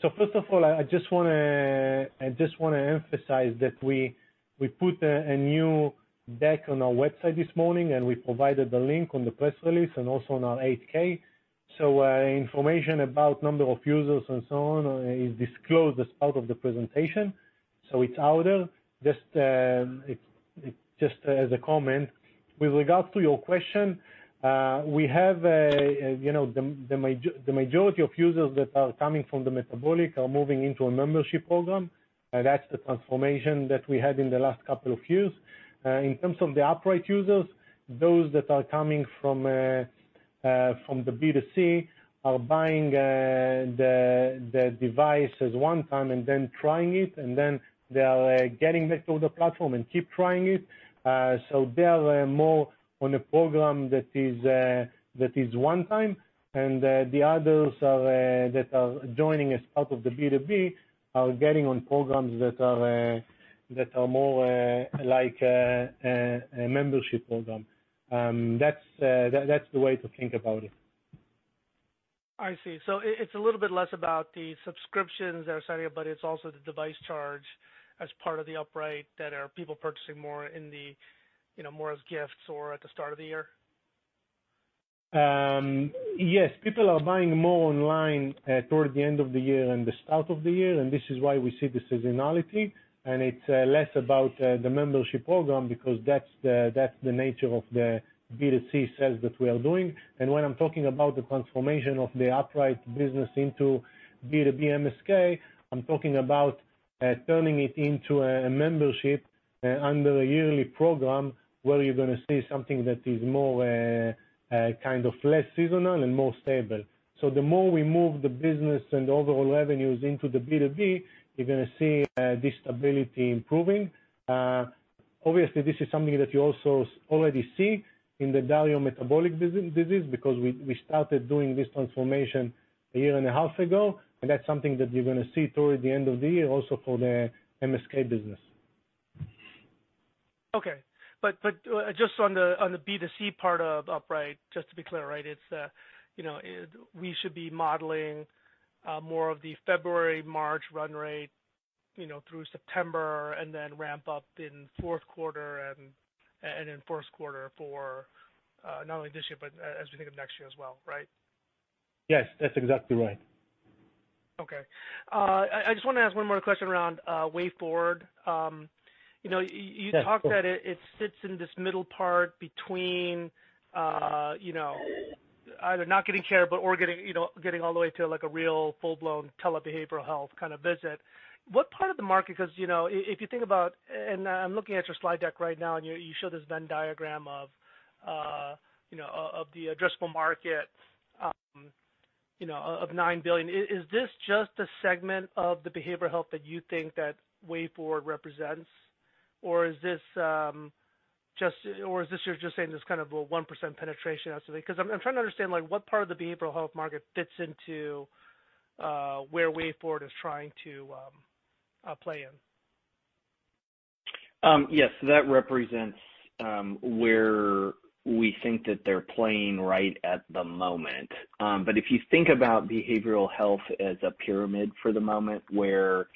First of all, I just want to emphasize that we put a new deck on our website this morning, and we provided the link on the press release and also on our 8-K. Information about number of users and so on is disclosed as part of the presentation. It's out there. Just as a comment. With regard to your question, the majority of users that are coming from the metabolic are moving into a membership program, and that's the transformation that we had in the last couple of years. In terms of the Upright users, those that are coming from the B2C are buying the device as one time and then trying it, and then they are getting back to the platform and keep trying it. They are more on a program that is one time. The others that are joining as part of the B2B are getting on programs that are more like a membership program. That's the way to think about it. I see. It's a little bit less about the subscriptions they're selling, but it's also the device charge as part of the Upright that are people purchasing more as gifts or at the start of the year? Yes, people are buying more online toward the end of the year than the start of the year. This is why we see the seasonality. It's less about the membership program because that's the nature of the B2C sales that we are doing. When I'm talking about the transformation of the Upright business into B2B MSK, I'm talking about turning it into a membership under a yearly program where you're going to see something that is more kind of less seasonal and more stable. The more we move the business and overall revenues into the B2B, you're going to see this stability improving. Obviously, this is something that you also already see in the Dario metabolic business because we started doing this transformation a year and a half ago, and that's something that you're going to see toward the end of the year also for the MSK business. Okay. Just on the B2C part of Upright, just to be clear, we should be modeling more of the February, March run rate through September and then ramp up in fourth quarter and in first quarter for not only this year but as we think of next year as well, right? Yes, that's exactly right. Okay. I just want to ask one more question around wayForward. You talked that it sits in this middle part between either not getting care or getting all the way to a real full-blown telebehavioral health kind of visit. What part of the market, because if you think about, and I'm looking at your slide deck right now, and you show this Venn diagram of the addressable market of $9 billion. Is this just a segment of the behavioral health that you think that wayForward represents? Or is this you're just saying it's kind of a 1% penetration estimate? Because I'm trying to understand what part of the behavioral health market fits into where wayForward is trying to play in. Yes, that represents where we think that they're playing right at the moment. If you think about behavioral health as a pyramid for the moment, where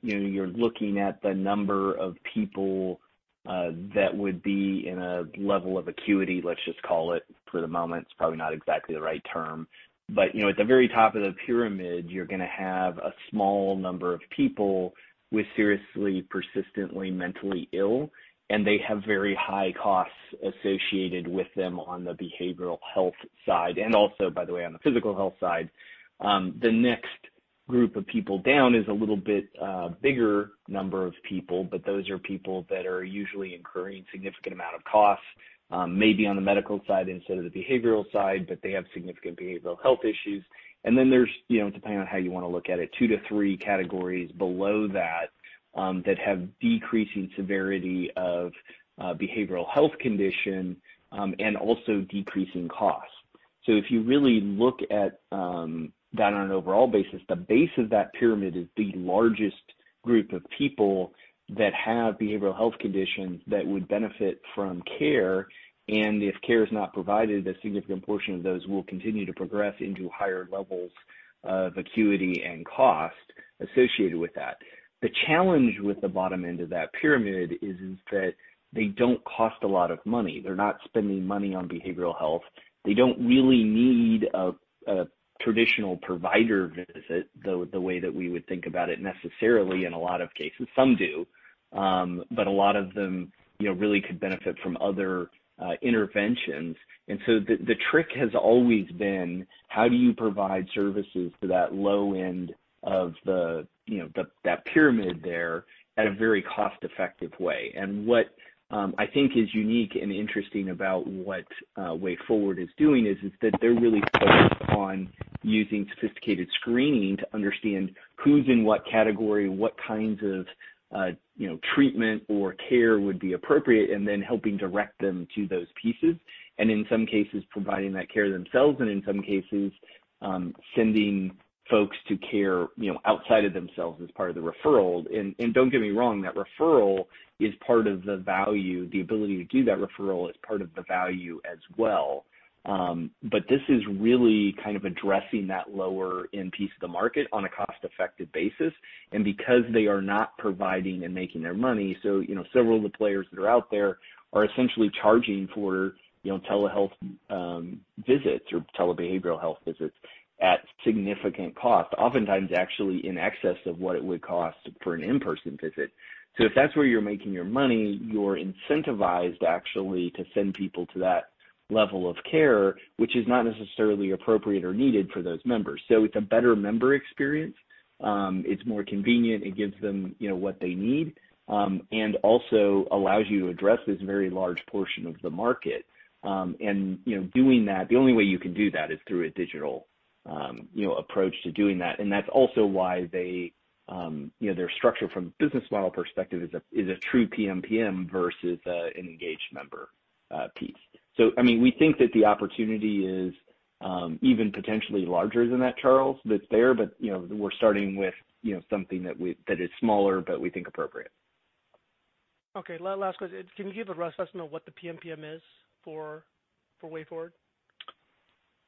you're looking at the number of people that would be in a level of acuity, let's just call it for the moment, it's probably not exactly the right term. At the very top of the pyramid, you're going to have a small number of people who are seriously, persistently mentally ill, and they have very high costs associated with them on the behavioral health side, and also, by the way, on the physical health side. The next group of people down is a little bit bigger number of people, but those are people that are usually incurring significant amount of costs, maybe on the medical side instead of the behavioral side, but they have significant behavioral health issues. There's, depending on how you want to look at it, two to three categories below that have decreasing severity of behavioral health condition and also decreasing cost. If you really look at that on an overall basis, the base of that pyramid is the largest group of people that have behavioral health conditions that would benefit from care. If care is not provided, a significant portion of those will continue to progress into higher levels of acuity and cost associated with that. The challenge with the bottom end of that pyramid is that they don't cost a lot of money. They're not spending money on behavioral health. They don't really need a traditional provider visit the way that we would think about it necessarily in a lot of cases. Some do. A lot of them really could benefit from other interventions. The trick has always been how do you provide services to that low end of that pyramid there at a very cost-effective way? What I think is unique and interesting about what wayForward is doing is that they're really focused on using sophisticated screening to understand who's in what category and what kinds of treatment or care would be appropriate, and then helping direct them to those pieces. In some cases, providing that care themselves, and in some cases, sending folks to care outside of themselves as part of the referral. Don't get me wrong, that referral is part of the value. The ability to do that referral is part of the value as well. This is really kind of addressing that lower-end piece of the market on a cost-effective basis. Because they are not providing and making their money, several of the players that are out there are essentially charging for telehealth visits or telebehavioral health visits at significant cost. Oftentimes actually in excess of what it would cost for an in-person visit. If that's where you're making your money, you're incentivized actually to send people to that level of care, which is not necessarily appropriate or needed for those members. It's a better member experience. It's more convenient. It gives them what they need. Also allows you to address this very large portion of the market. Doing that, the only way you can do that is through a digital approach to doing that. That's also why their structure from a business model perspective is a true PMPM versus an engaged member piece. We think that the opportunity is even potentially larger than that, Charles, that's there. We're starting with something that is smaller but we think appropriate. Okay, last question. Can you give a rough estimate what the PMPM is for wayForward?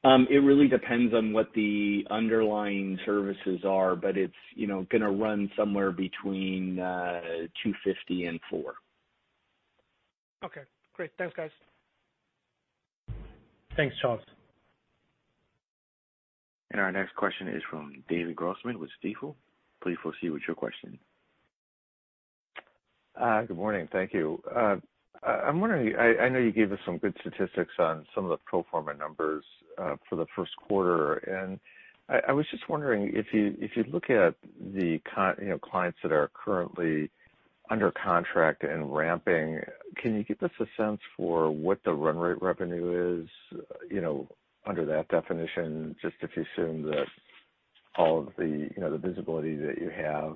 It really depends on what the underlying services are, but it's going to run somewhere between $250 and $400. Okay, great. Thanks, guys. Thanks, Charles. Our next question is from David Grossman with Stifel. Please proceed with your question. Good morning. Thank you. I know you gave us some good statistics on some of the pro forma numbers for the first quarter, and I was just wondering if you look at the clients that are currently under contract and ramping, can you give us a sense for what the run rate revenue is under that definition, just if you assume that all of the visibility that you have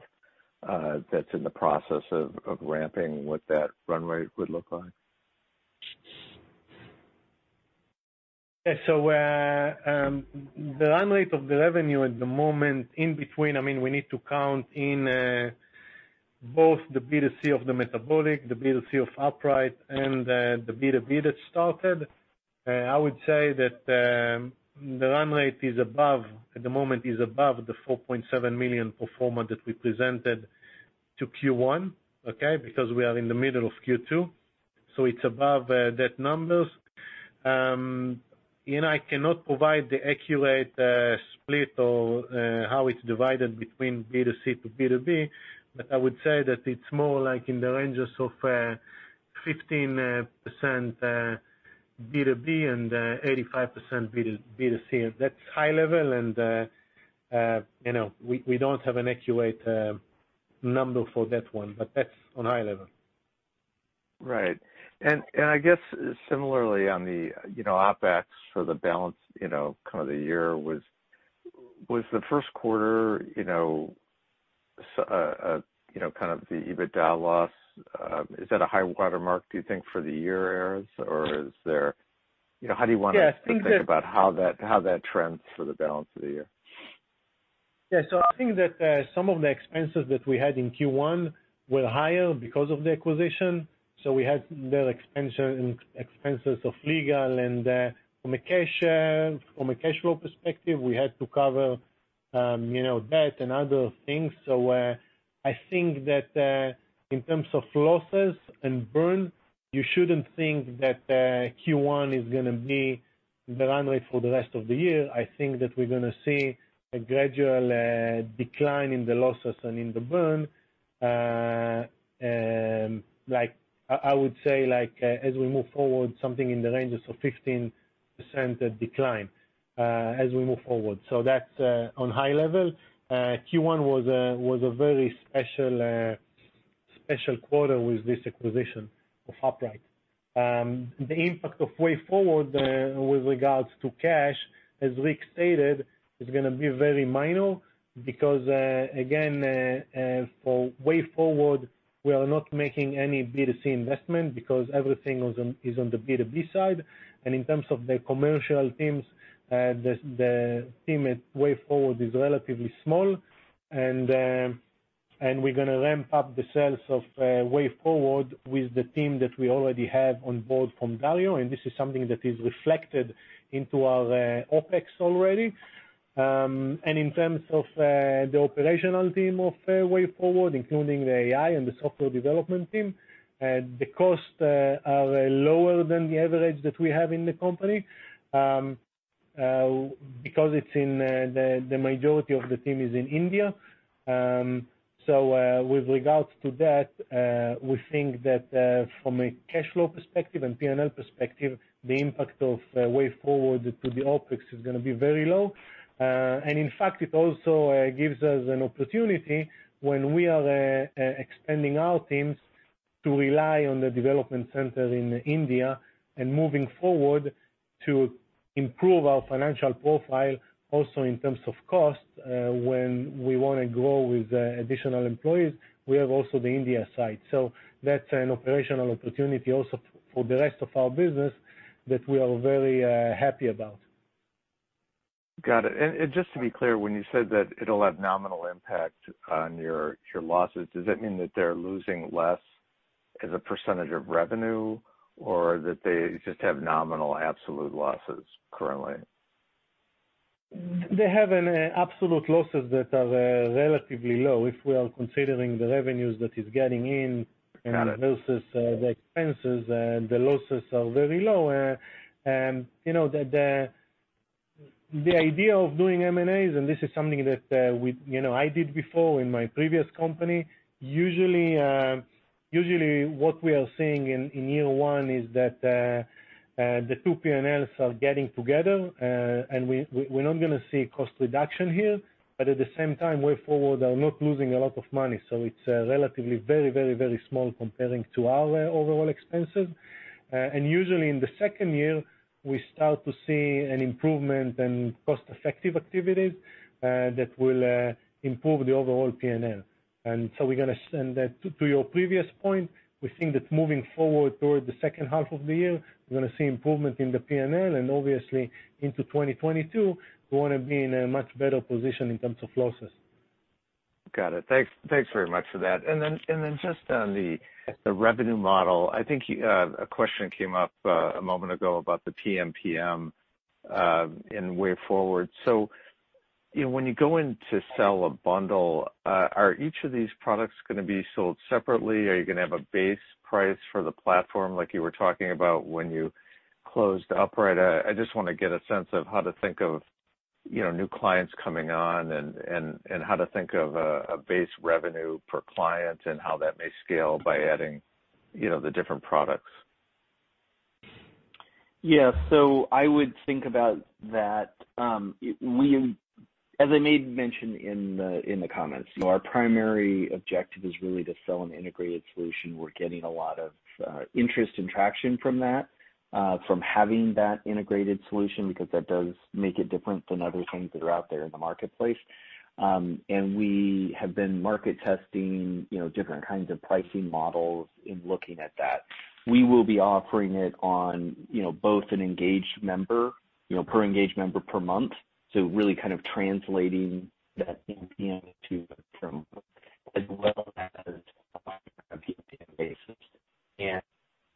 that's in the process of ramping, what that run rate would look like? The run rate of the revenue at the moment in between, we need to count in both the B2C of the metabolic, the B2C of Upright, and the B2B that started. I would say that the run rate at the moment is above the $4.7 million pro forma that we presented to Q1, okay? We are in the middle of Q2, it's above that number. I cannot provide the accurate split or how it's divided between B2C to B2B, I would say that it's more like in the ranges of 15% B2B and 85% B2C. That's high level, we don't have an accurate number for that one, that's on high level. Right. I guess similarly on the OPEX for the balance of the year, was the first quarter kind of the EBITDA loss, is that a high-water mark, do you think, for the year, Erez? How do you want to think about how that trends for the balance of the year? I think that some of the expenses that we had in Q1 were higher because of the acquisition, so we had the expenses of legal and from a cash flow perspective, we had to cover debt and other things. I think that in terms of losses and burn, you shouldn't think that Q1 is going to be the run rate for the rest of the year. I think that we're going to see a gradual decline in the losses and in the burn. I would say as we move forward, something in the ranges of 15% decline as we move forward. That's on high level. Q1 was a very special quarter with this acquisition of Upright. The impact of wayForward with regards to cash. As Rick stated, it's going to be very minor because, again, for wayForward, we are not making any B2C investment because everything is on the B2B side. In terms of the commercial teams, the team at wayForward is relatively small, and we're going to ramp up the sales of wayForward with the team that we already have on board from Dario. This is something that is reflected into our OPEX already. In terms of the operational team of wayForward, including the AI and the software development team, the costs are lower than the average that we have in the company because the majority of the team is in India. With regards to that, we think that from a cash flow perspective and P&L perspective, the impact of wayForward to the OPEX is going to be very low. In fact, it also gives us an opportunity when we are expanding our teams to rely on the development center in India and moving forward to improve our financial profile also in terms of cost. When we want to grow with additional employees, we have also the India side. That's an operational opportunity also for the rest of our business that we are very happy about. Got it. Just to be clear, when you said that it'll have nominal impact on your losses, does that mean that they're losing less as a percentage of revenue or that they just have nominal absolute losses currently? They have absolute losses that are relatively low. If we are considering the revenues that is getting in versus the expenses, the losses are very low. The idea of doing M&As, and this is something that I did before in my previous company, usually what we are seeing in year one is that the two P&Ls are getting together, and we're not going to see cost reduction here. At the same time, wayForward are not losing a lot of money, so it's relatively very small comparing to our overall expenses. Usually in the second year, we start to see an improvement in cost-effective activities that will improve the overall P&L. To your previous point, we think that moving forward toward the second half of the year, we're going to see improvement in the P&L, and obviously into 2022, we want to be in a much better position in terms of losses. Got it. Thanks very much for that. Just on the revenue model, I think a question came up a moment ago about the PMPM in wayForward. When you go in to sell a bundle, are each of these products going to be sold separately? Are you going to have a base price for the platform like you were talking about when you closed Upright? I just want to get a sense of how to think of new clients coming on and how to think of a base revenue per client and how that may scale by adding the different products. Yeah. I would think about that, as Zvi] mentioned in the comments, our primary objective is really to sell an integrated solution. We're getting a lot of interest and traction from that, from having that integrated solution, because that does make it different than other things that are out there in the marketplace. We have been market testing different kinds of pricing models in looking at that. We will be offering it on both an engaged member, per engaged member per month, so really kind of translating that PMPM to. As well as on a PMPM basis and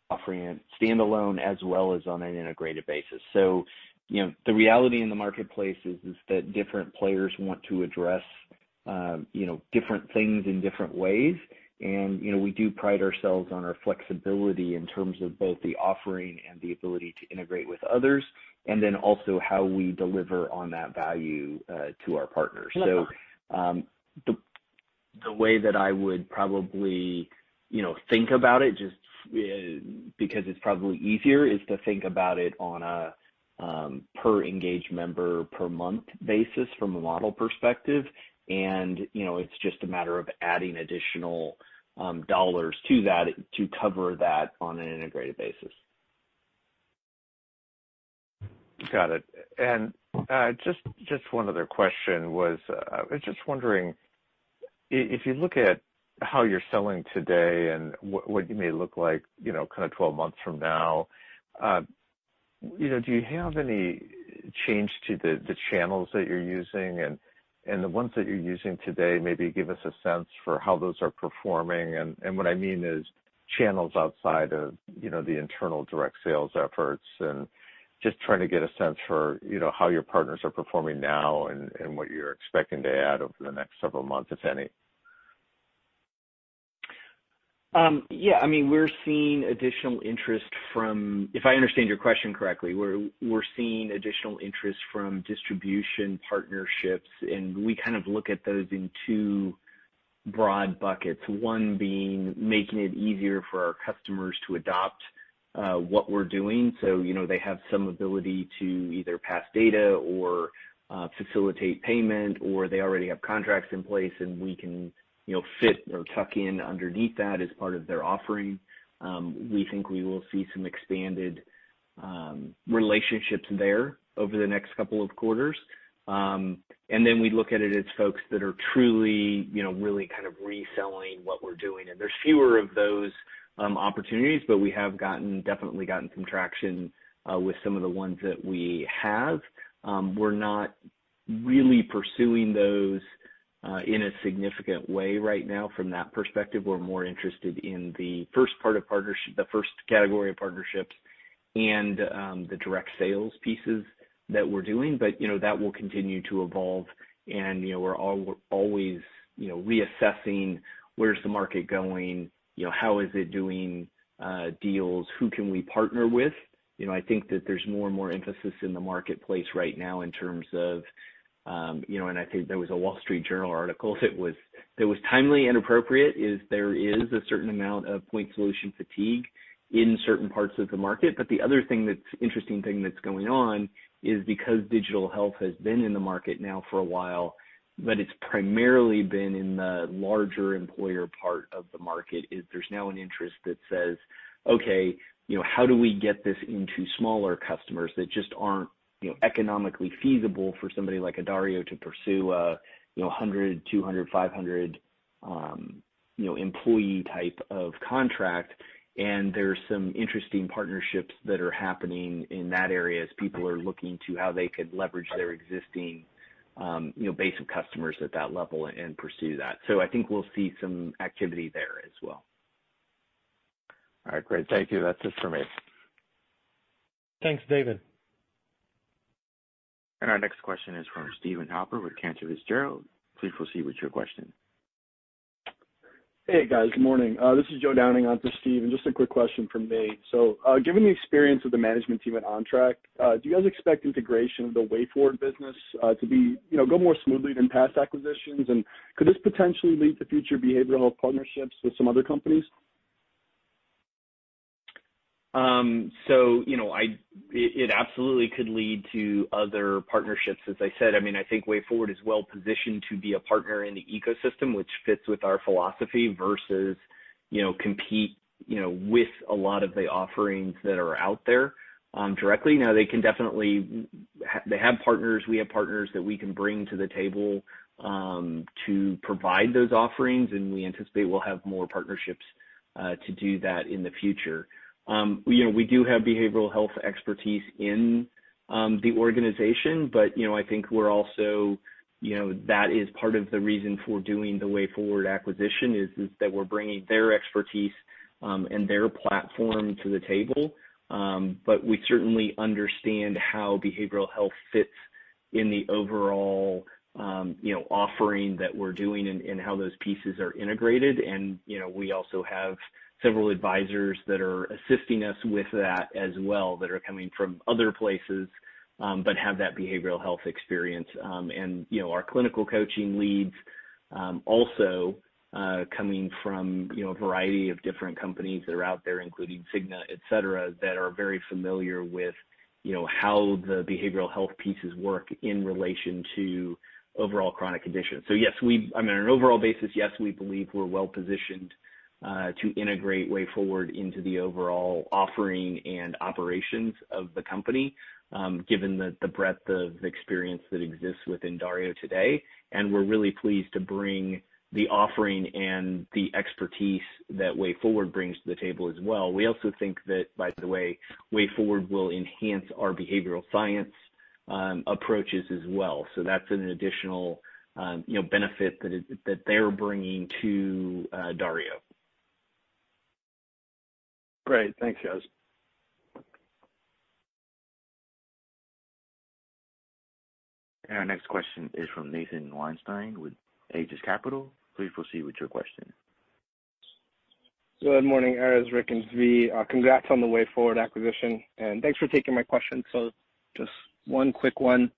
offering it standalone as well as on an integrated basis. The reality in the marketplace is that different players want to address different things in different ways. We do pride ourselves on our flexibility in terms of both the offering and the ability to integrate with others and then also how we deliver on that value to our partners. The way that I would probably think about it, just because it's probably easier, is to think about it on a per engaged member per month basis from a model perspective. It's just a matter of adding additional dollars to that to cover that on an integrated basis. Got it. Just one other question was, I was just wondering, if you look at how you're selling today and what you may look like 12 months from now, do you have any change to the channels that you're using and the ones that you're using today? Maybe give us a sense for how those are performing. What I mean is channels outside of the internal direct sales efforts and just trying to get a sense for how your partners are performing now and what you're expecting to add over the next several months, if any. Yeah, if I understand your question correctly, we're seeing additional interest from distribution partnerships, and we look at those in two broad buckets. One being making it easier for our customers to adopt what we're doing. They have some ability to either pass data or facilitate payment or they already have contracts in place, and we can fit or tuck in underneath that as part of their offering. We think we will see some expanded relationships there over the next couple of quarters. We look at it as folks that are truly, really kind of reselling what we're doing, and there's fewer of those opportunities, but we have definitely gotten some traction with some of the ones that we have. We're not really pursuing those in a significant way right now from that perspective. We're more interested in the first category of partnerships and the direct sales pieces that we're doing. That will continue to evolve and we're always reassessing where's the market going, how is it doing deals, who can we partner with. I think that there's more and more emphasis in the marketplace right now in terms of, and I think there was a The Wall Street Journal article that was timely and appropriate, is there is a certain amount of point solution fatigue in certain parts of the market. The other interesting thing that's going on is because digital health has been in the market now for a while, but it's primarily been in the larger employer part of the market, is there's now an interest that says, "Okay, how do we get this into smaller customers that just aren't economically feasible for somebody like Dario to pursue a 100, 200, 500 employee type of contract?" There's some interesting partnerships that are happening in that area as people are looking to how they could leverage their existing base of customers at that level and pursue that. I think we'll see some activity there as well. All right. Great. Thank you. That's it for me. Thanks, David. Our next question is from Steven Halper with Cantor Fitzgerald. Please proceed with your question. Hey, guys. Morning. This is Joe Downing on to Steven. Just a quick question from me. Given the experience of the management team at Ontrak, do you guys expect integration of the wayForward business to go more smoothly than past acquisitions? Could this potentially lead to future behavioral partnerships with some other companies? It absolutely could lead to other partnerships. As I said, I think wayForward is well-positioned to be a partner in the ecosystem, which fits with our philosophy versus compete with a lot of the offerings that are out there directly. They have partners, we have partners that we can bring to the table to provide those offerings, and we anticipate we'll have more partnerships to do that in the future. We do have behavioral health expertise in the organization, but I think that is part of the reason for doing the wayForward acquisition, is that we're bringing their expertise and their platform to the table. We certainly understand how behavioral health fits in the overall offering that we're doing and how those pieces are integrated. We also have several advisors that are assisting us with that as well, that are coming from other places but have that behavioral health experience. Our clinical coaching leads also coming from a variety of different companies that are out there, including Cigna, et cetera, that are very familiar with how the behavioral health pieces work in relation to overall chronic conditions. Yes, on an overall basis, yes, we believe we're well-positioned to integrate wayForward into the overall offering and operations of the company, given the breadth of experience that exists within Dario today. We're really pleased to bring the offering and the expertise that wayForward brings to the table as well. We also think that, by the way, wayForward will enhance our behavioral science approaches as well. That's an additional benefit that they're bringing to Dario. Great. Thanks, guys. Our next question is from Nathan Weinstein with Aegis Capital. Please proceed with your question. Good morning, Erez, Rick, and Zvi. Congrats on the wayForward acquisition. Thanks for taking my question. Just one quick one.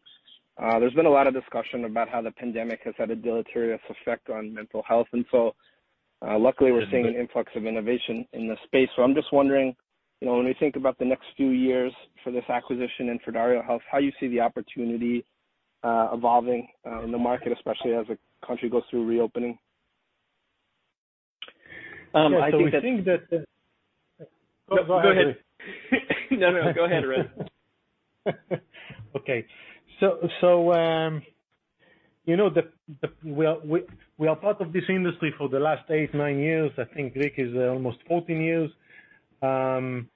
There's been a lot of discussion about how the pandemic has had a deleterious effect on mental health. Luckily, we're seeing an influx of innovation in this space. I'm just wondering, when we think about the next few years for this acquisition and for DarioHealth, how you see the opportunity evolving in the market, especially as the country goes through reopening. I would think that- Go ahead. No, go ahead, Erez. Okay. We are part of this industry for the last eight, nine years. I think Rick is almost 14 years. From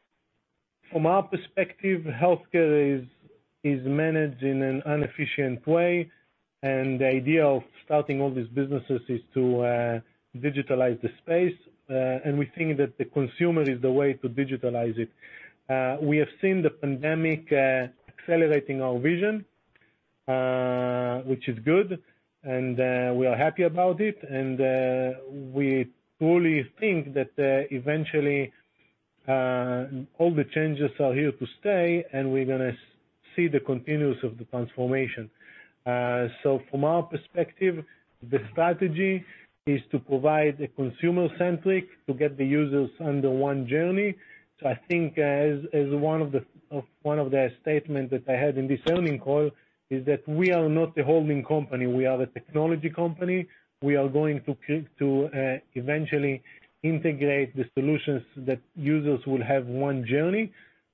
our perspective, healthcare is managed in an inefficient way, and the idea of starting all these businesses is to digitalize the space, and we think that the consumer is the way to digitalize it. We have seen the pandemic accelerating our vision, which is good, and we are happy about it. We truly think that eventually all the changes are here to stay, and we're going to see the continuance of the transformation. From our perspective, the strategy is to provide a consumer-centric to get the users under one journey. I think as one of the statements that I had in this earning call is that we are not a holding company. We are a technology company. We are going to eventually integrate the solutions that users will have one journey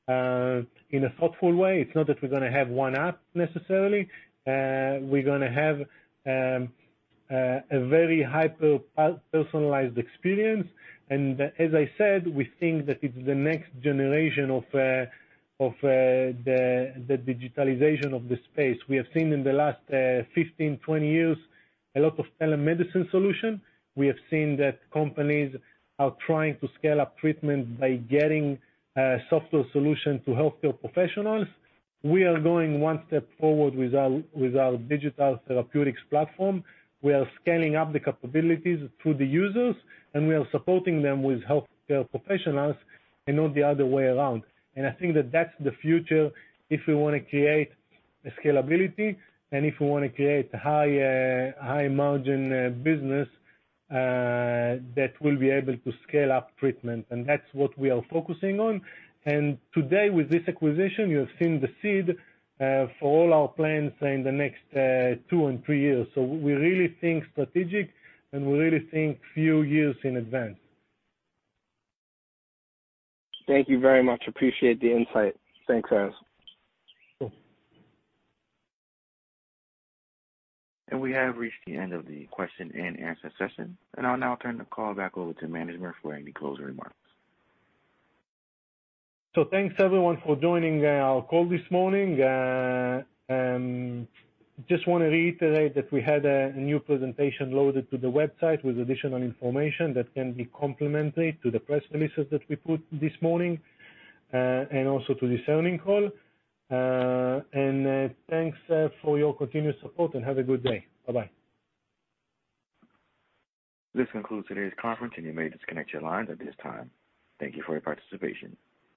in a thoughtful way. It's not that we're going to have one app necessarily. We're going to have a very hyper-personalized experience. As I said, we think that it's the next generation of the digitalization of the space. We have seen in the last 15, 20 years, a lot of telemedicine solutions. We have seen that companies are trying to scale up treatment by getting software solutions to healthcare professionals. We are going one step forward with our digital therapeutics platform. We are scaling up the capabilities through the users; we are supporting them with healthcare professionals and not the other way around. I think that that's the future if we want to create scalability and if we want to create a high margin business that will be able to scale up treatment. That's what we are focusing on. Today with this acquisition, you have seen the seed for all our plans in the next two and three years. We really think strategic, and we really think a few years in advance. Thank you very much. Appreciate the insight. Thanks, guys. We have reached the end of the question-and-answer session. I'll now turn the call back over to management for any closing remarks. Thanks everyone for joining our call this morning. Just want to reiterate that we had a new presentation loaded to the website with additional information that can be complementary to the press releases that we put this morning, and also to this earnings call. Thanks for your continuous support and have a good day. Bye-bye. This concludes today's conference. You may disconnect your lines at this time. Thank you for your participation.